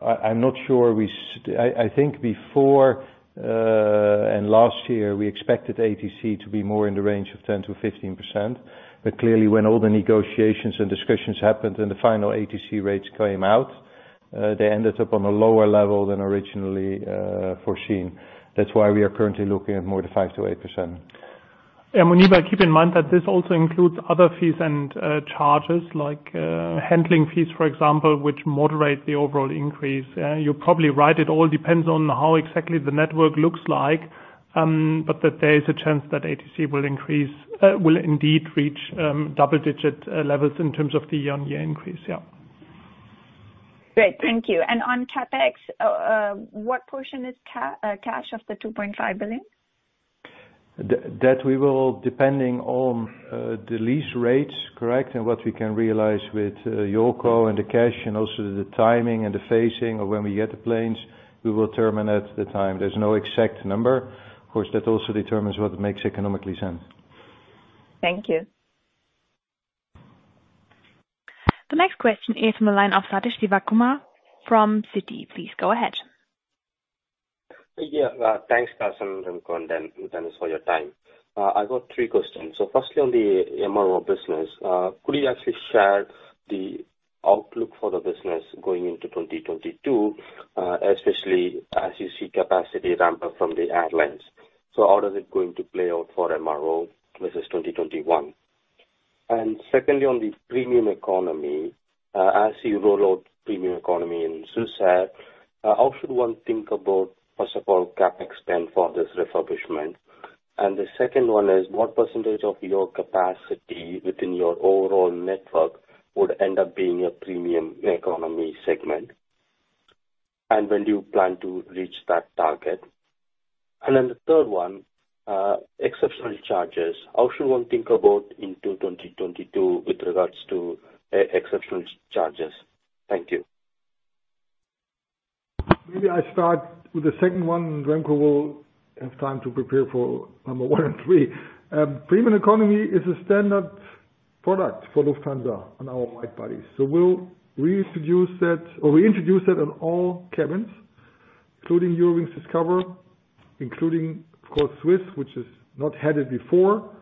I think before and last year, we expected ATC to be more in the range of 10% to 15%. Clearly when all the negotiations and discussions happened and the final ATC rates came out, they ended up on a lower level than originally foreseen. That's why we are currently looking at more the 5% to 8%. Muneeba, keep in mind that this also includes other fees and charges, like handling fees, for example, which moderate the overall increase. You're probably right, it all depends on how exactly the network looks like. That there is a chance that ATC will indeed reach double digit levels in terms of the year-on-year increase, yeah. Great, thank you. On CapEx, what portion is cash of the 2.5 billion? That we will, depending on the lease rates, correct? What we can realize with JOLCO and the cash and also the timing and the phasing of when we get the planes, we will determine at the time. There's no exact number. Of course, that also determines what makes economically sense. Thank you. The next question is on the line of Sathish Sivakumar from Citi. Please go ahead. Yeah. Thanks Carsten, Remco, and Dennis for your time. I've got three questions. Firstly on the MRO business, could you actually share the outlook for the business going into 2022, especially as you see capacity ramp up from the airlines. How does it going to play out for MRO versus 2021? Secondly, on the Premium Economy, as you roll out Premium Economy in Swiss, how should one think about, first of all, CapEx spend for this refurbishment? And the second one is, what percentage of your capacity within your overall network would end up being a Premium Economy segment? And when do you plan to reach that target? Then the third one, exceptional charges. How should one think about into 2022 with regards to exceptional charges? Thank you. Maybe I start with the second one. Remco Steenbergen will have time to prepare for number one and three. Premium Economy is a standard product for Lufthansa on our wide bodies. We'll reintroduce that on all cabins, including Eurowings Discover, including of course Swiss, which has not had it before.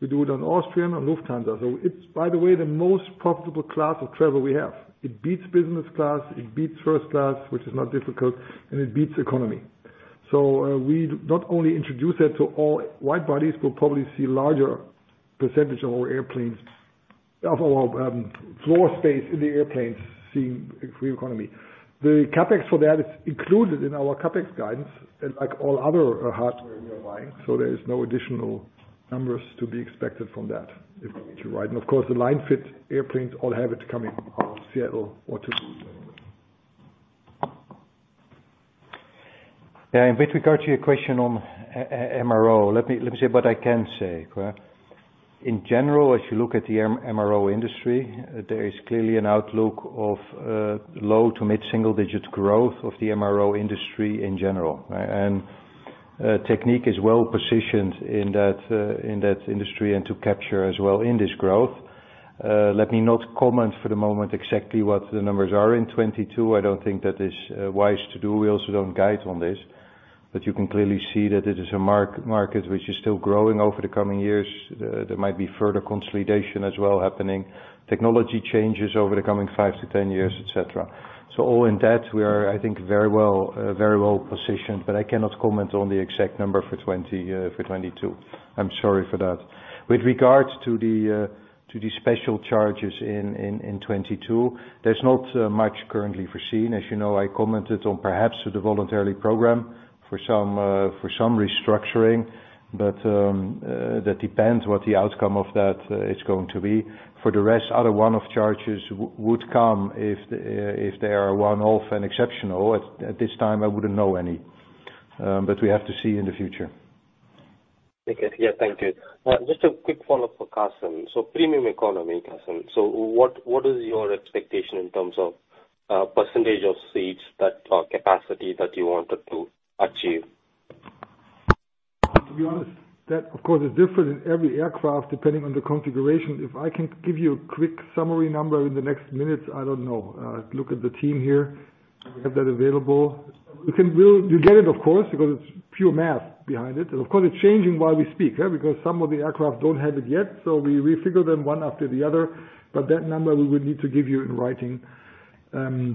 We do it on Austrian and Lufthansa. It's, by the way, the most profitable class of travel we have. It beats business class, it beats first class, which is not difficult, and it beats economy. We not only introduce that to all wide bodies, we'll probably see larger percentage of our floor space in the airplanes seeing Premium Economy. The CapEx for that is included in our CapEx guidance, and like all other hardware we are buying, so there is no additional numbers to be expected from that, if I get you right. Of course, the line-fit airplanes all have it coming out of Seattle or Toulouse. In regard to your question on MRO, let me say what I can say, correct? In general, if you look at the MRO industry, there is clearly an outlook of low- to mid-single-digit growth of the MRO industry in general, right? Technik is well-positioned in that industry and to capture as well in this growth. Let me not comment for the moment exactly what the numbers are in 2022. I don't think that is wise to do. We also don't guide on this. You can clearly see that it is a market which is still growing over the coming years. There might be further consolidation as well happening, technology changes over the coming five to 10 years, etc. All in that, we are, I think, very well-positioned, but I cannot comment on the exact number for 2022. I'm sorry for that. With regards to the special charges in 2022, there's not much currently foreseen. As you know, I commented on perhaps the voluntary program for some restructuring. That depends what the outcome of that is going to be. For the rest, other one-off charges would come if they are one-off and exceptional. At this time, I wouldn't know any, but we have to see in the future. Yeah, thank you. Just a quick follow-up for Carsten. Premium Economy, Carsten. What is your expectation in terms of percentage of seats that, or capacity that you wanted to achieve? To be honest, that of course is different in every aircraft depending on the configuration. If I can give you a quick summary number in the next minute, I don't know. Look at the team here, have that available. You get it, of course, because it's pure math behind it. Of course, it's changing while we speak, yeah? Because some of the aircraft don't have it yet, so we figure them one after the other. That number we would need to give you in writing,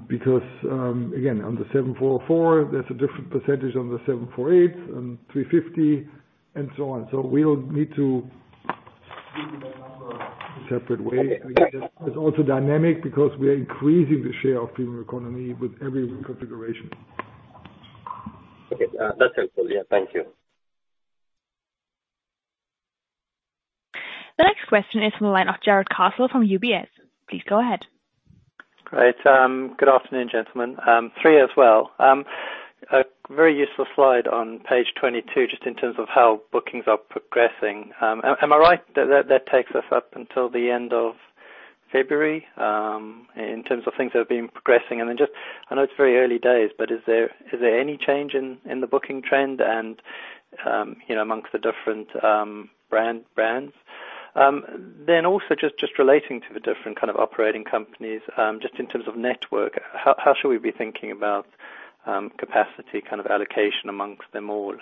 because, again, on the 747, there's a different percentage on the 748 and 350, and so on. We'll need to give you that number a separate way. It's also dynamic because we are increasing the share of Premium Economy with every reconfiguration. Okay. That's helpful. Yeah, thank you. The next question is from the line of Jarrod Castle from UBS. Please go ahead. Great. Good afternoon, gentlemen. Me as well. A very useful slide on page 22, just in terms of how bookings are progressing. Am I right that that takes us up until the end of February, in terms of things that have been progressing? I know it's very early days, but is there any change in the booking trend and, you know, amongst the different brands? Relating to the different kind of operating companies, just in terms of network, how should we be thinking about capacity kind of allocation amongst them all?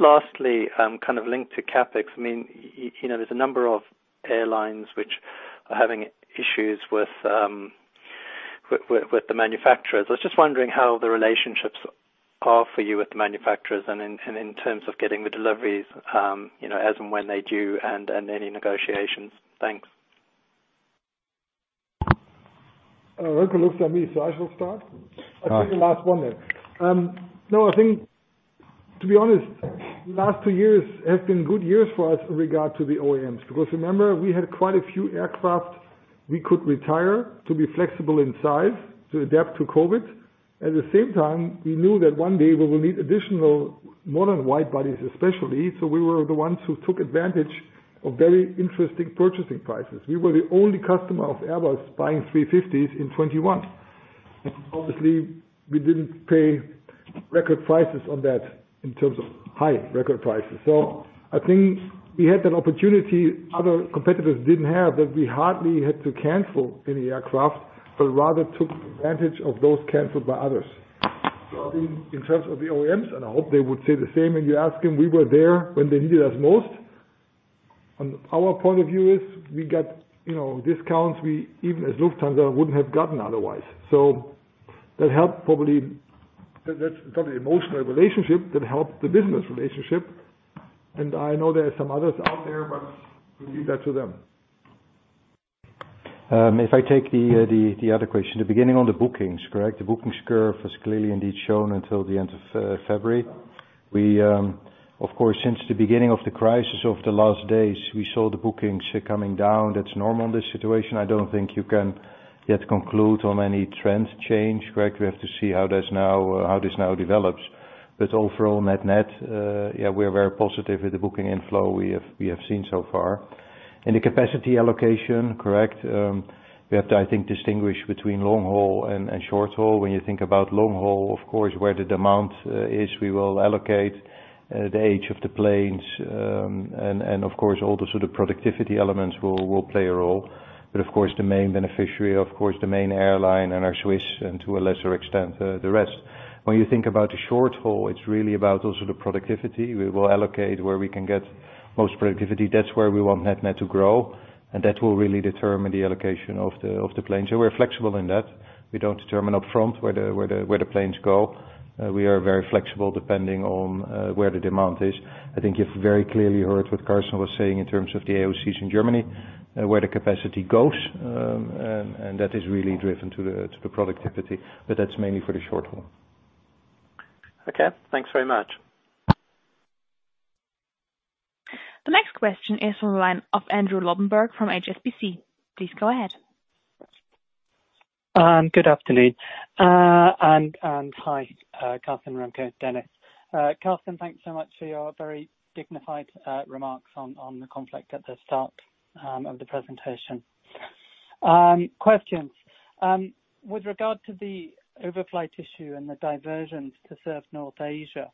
Lastly, kind of linked to CapEx, I mean, you know, there's a number of airlines which are having issues with the manufacturers. I was just wondering how the relationships are for you with the manufacturers and in terms of getting the deliveries, you know, as and when they do and any negotiations. Thanks. Everyone looks at me, so I shall start. All right. I'll take the last one then. No, I think to be honest, the last two years have been good years for us in regard to the OEMs. Because remember, we had quite a few aircraft we could retire to be flexible in size, to adapt to COVID. At the same time, we knew that one day we will need additional modern wide bodies, especially. We were the ones who took advantage of very interesting purchasing prices. We were the only customer of Airbus buying A350s in 2021. Obviously, we didn't pay record prices on that in terms of high record prices. I think we had an opportunity other competitors didn't have, that we hardly had to cancel any aircraft, but rather took advantage of those canceled by others. I think in terms of the OEMs, and I hope they would say the same, and you ask them, we were there when they needed us most. Our point of view is we got, you know, discounts we, even as Lufthansa, wouldn't have gotten otherwise. That helped probably, that's probably emotional relationship that helped the business relationship. I know there are some others out there, but leave that to them. If I take the other question, the beginning on the bookings, correct? The bookings curve is clearly indeed shown until the end of February. We, of course, since the beginning of the crisis over the last days, we saw the bookings coming down. That's normal in this situation. I don't think you can yet conclude on any trends change, correct? We have to see how this now develops. Overall net-net, yeah, we are very positive with the booking inflow we have seen so far. In the capacity allocation, correct, we have to, I think, distinguish between long-haul and short-haul. When you think about long-haul, of course, where the demand is, we will allocate the age of the planes, and of course, all the sort of productivity elements will play a role. But of course, the main beneficiary, of course, the main airline and our Swiss and to a lesser extent, the rest. When you think about the short-haul, it's really about those are the productivity. We will allocate where we can get most productivity. That's where we want net-net to grow, and that will really determine the allocation of the planes. We're flexible in that. We don't determine up front where the planes go. We are very flexible depending on where the demand is. I think you've very clearly heard what Carsten Spohr was saying in terms of the AOCs in Germany, where the capacity goes. That is really driven by the productivity, but that's mainly for the short haul. Okay. Thanks very much. Next question is from the line of Andrew Lobbenberg from HSBC. Please go ahead. Good afternoon, hi, Carsten, Remco, Dennis. Carsten, thanks so much for your very dignified remarks on the conflict at the start of the presentation. Questions. With regard to the overflight issue and the diversions to serve North Asia,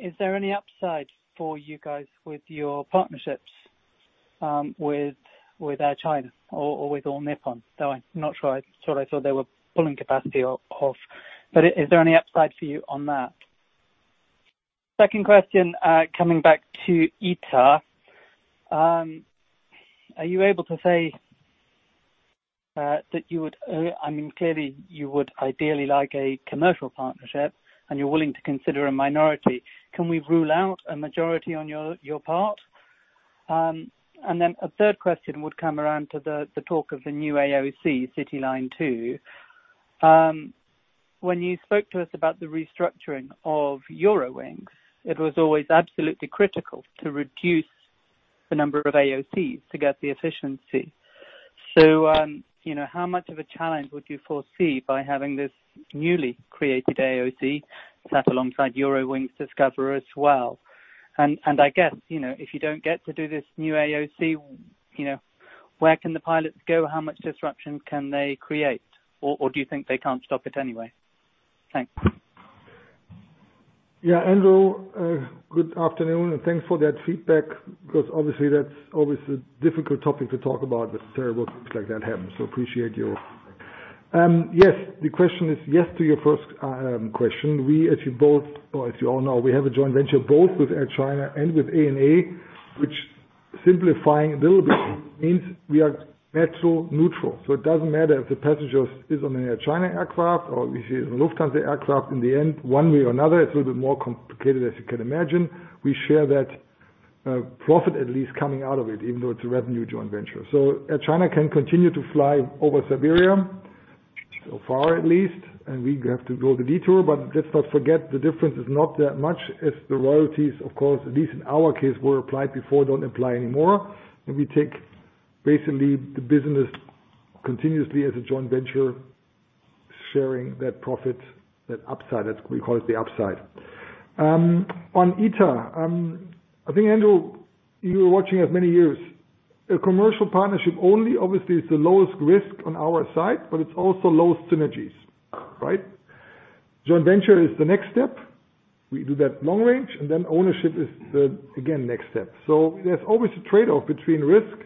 is there any upside for you guys with your partnerships with Air China or with All Nippon? Sorry, not sure. I thought I saw they were pulling capacity off, but is there any upside for you on that? Second question, coming back to ITA. Are you able to say that you would, I mean, clearly you would ideally like a commercial partnership, and you're willing to consider a minority. Can we rule out a majority on your part? A third question would come around to the talk of the new AOC, CityLine, too. When you spoke to us about the restructuring of Eurowings, it was always absolutely critical to reduce the number of AOCs to get the efficiency. You know, how much of a challenge would you foresee by having this newly created AOC set alongside Eurowings Discover as well? I guess, you know, if you don't get to do this new AOC, you know, where can the pilots go? How much disruption can they create? Or do you think they can't stop it anyway? Thanks. Yeah. Andrew, good afternoon, and thanks for that feedback because obviously that's always a difficult topic to talk about when terrible things like that happen, appreciate you. Yes. The question is yes to your first question. As you all know, we have a joint venture both with Air China and with ANA, which, simplifying a little bit, means we are metal neutral. It doesn't matter if the passenger is on an Air China aircraft or if it's a Lufthansa aircraft, in the end, one way or another, it's a little bit more complicated as you can imagine. We share that profit at least coming out of it, even though it's a revenue joint venture. Air China can continue to fly over Siberia, so far at least, and we have to go the detour. Let's not forget, the difference is not that much as the royalties, of course, at least in our case, were applied before, don't apply anymore. We take basically the business continuously as a joint venture, sharing that profit, that upside, as we call it, the upside. On ITA, I think, Andrew Lobbenberg, you were watching us many years. A commercial partnership only obviously is the lowest risk on our side, but it's also low synergies, right? Joint venture is the next step. We do that long range, and then ownership is the, again, next step. There's always a trade-off between risk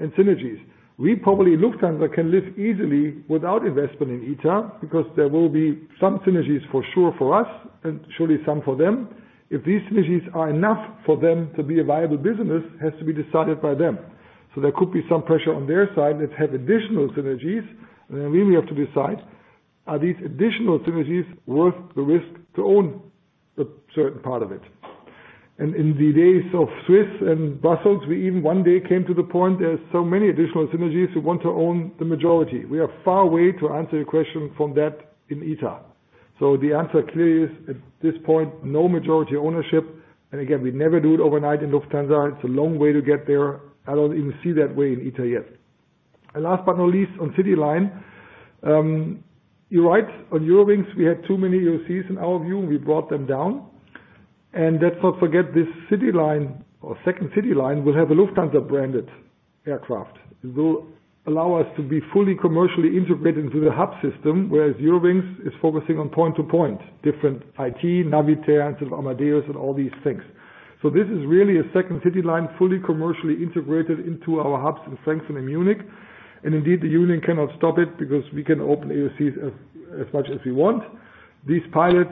and synergies. We probably at Lufthansa can live easily without investment in ITA because there will be some synergies for sure for us and surely some for them. If these synergies are enough for them to be a viable business has to be decided by them. There could be some pressure on their side, let's have additional synergies. We have to decide, are these additional synergies worth the risk to own a certain part of it? In the days of Swiss and Brussels, we even one day came to the point there are so many additional synergies we want to own the majority. We are far away to answer your question from that in ITA. The answer clearly is, at this point, no majority ownership. Again, we never do it overnight in Lufthansa. It's a long way to get there. I don't even see that way in ITA yet. Last but not least, on CityLine. You're right. On Eurowings, we had too many OCs in our view. We brought them down. Let's not forget this City Line or second City Line will have a Lufthansa branded aircraft. It will allow us to be fully commercially integrated into the hub system, whereas Eurowings is focusing on point to point, different IT, Navitaire, Amadeus, and all these things. This is really a second City Line fully commercially integrated into our hubs in Frankfurt and Munich. Indeed, the union cannot stop it because we can open AOC as much as we want. These pilots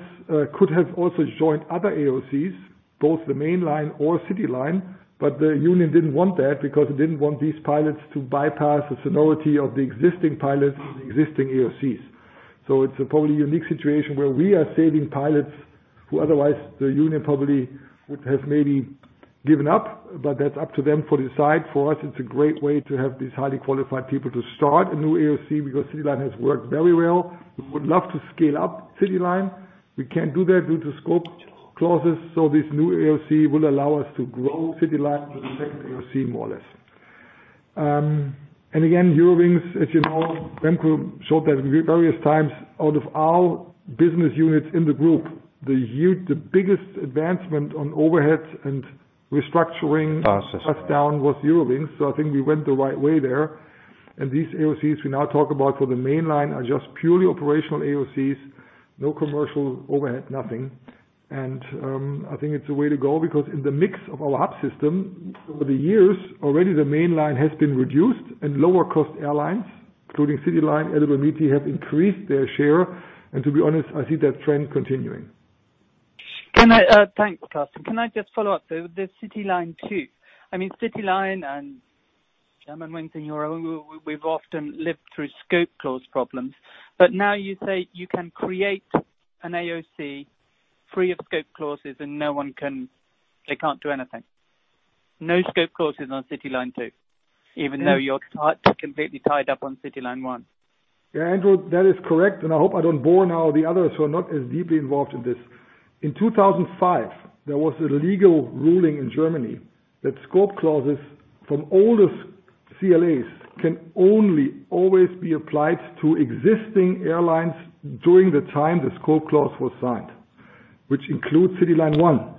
could have also joined other AOCs, both the main line or City Line, but the union didn't want that because it didn't want these pilots to bypass the seniority of the existing pilots and the existing AOCs. It's a probably unique situation where we are saving pilots who otherwise the union probably would have maybe given up, but that's up to them to decide. For us, it's a great way to have these highly qualified people to start a new AOC because City Line has worked very well. We would love to scale up City Line. We can't do that due to scope clauses, so this new AOC will allow us to grow City Line to the second AOC, more or less. Eurowings, as you know, Jens could show that various times out of our business units in the group, the biggest advancement on overheads and restructuring costs down was Eurowings, so I think we went the right way there. These AOCs we now talk about for the mainline are just purely operational AOCs, no commercial overhead, nothing. I think it's a way to go because in the mix of our hub system, over the years already the mainline has been reduced and lower cost airlines, including CityLine, Edelweiss have increased their share. To be honest, I see that trend continuing. Thanks, Carson. Can I just follow up on the CityLine two? I mean, CityLine and Germanwings and Eurowings, we've often lived through scope clause problems. Now you say you can create an AOC free of scope clauses and no one can. They can't do anything. No scope clauses on CityLine two, even though you're completely tied up on CityLine one. Yeah, Andrew, that is correct. I hope I don't bore now the others who are not as deeply involved in this. In 2005, there was a legal ruling in Germany that scope clauses from oldest CLAs can only always be applied to existing airlines during the time the scope clause was signed, which includes Lufthansa CityLine.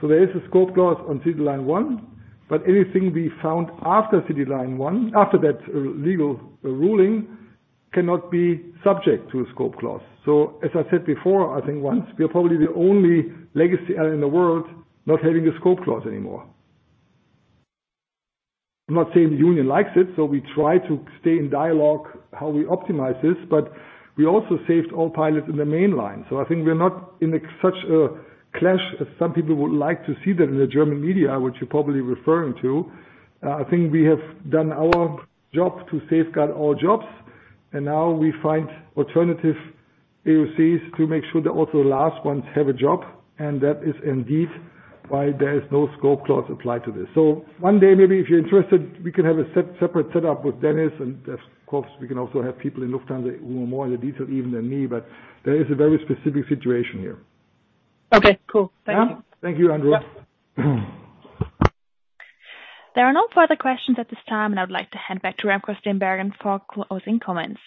There is a scope clause on Lufthansa CityLine, but anything we founded after Lufthansa CityLine, after that legal ruling cannot be subject to a scope clause. As I said before, I think once we are probably the only legacy airline in the world not having a scope clause anymore. I'm not saying the union likes it, so we try to stay in dialogue how we optimize this, but we also saved all pilots in the main line. I think we are not in such a clash as some people would like to see that in the German media, which you're probably referring to. I think we have done our job to safeguard all jobs, and now we find alternative AOCs to make sure that also the last ones have a job. That is indeed why there is no scope clause applied to this. One day, maybe if you're interested, we can have a separate set up with Dennis, and of course we can also have people in Lufthansa who are more in the detail even than me, but there is a very specific situation here. Okay, cool. Thank you. Yeah. Thank you, Andrew. Yep. There are no further questions at this time, and I'd like to hand back to Remco Steenbergen for closing comments.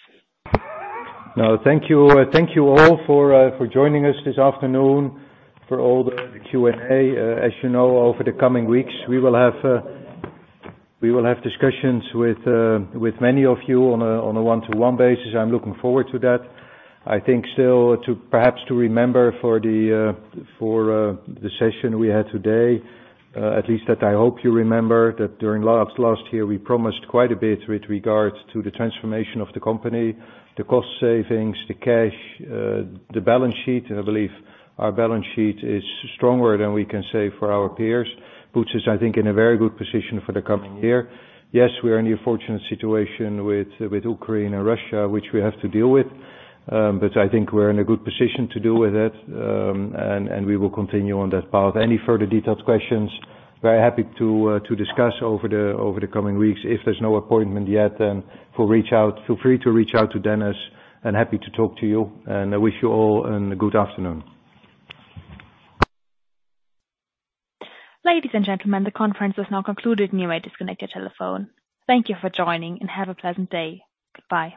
No, thank you. Thank you all for joining us this afternoon for all the Q&A. As you know, over the coming weeks we will have discussions with many of you on a one-to-one basis. I'm looking forward to that. I think still to perhaps remember for the session we had today, at least that I hope you remember that during last year we promised quite a bit with regards to the transformation of the company, the cost savings, the cash, the balance sheet. I believe our balance sheet is stronger than we can say for our peers. Puts us, I think, in a very good position for the coming year. Yes, we are in the unfortunate situation with Ukraine and Russia, which we have to deal with, but I think we're in a good position to deal with it, and we will continue on that path. Any further detailed questions, very happy to discuss over the coming weeks. If there's no appointment yet, then feel free to reach out to Dennis, and happy to talk to you, and I wish you all a good afternoon. Ladies and gentlemen, the conference has now concluded. You may disconnect your telephone. Thank you for joining, and have a pleasant day. Goodbye.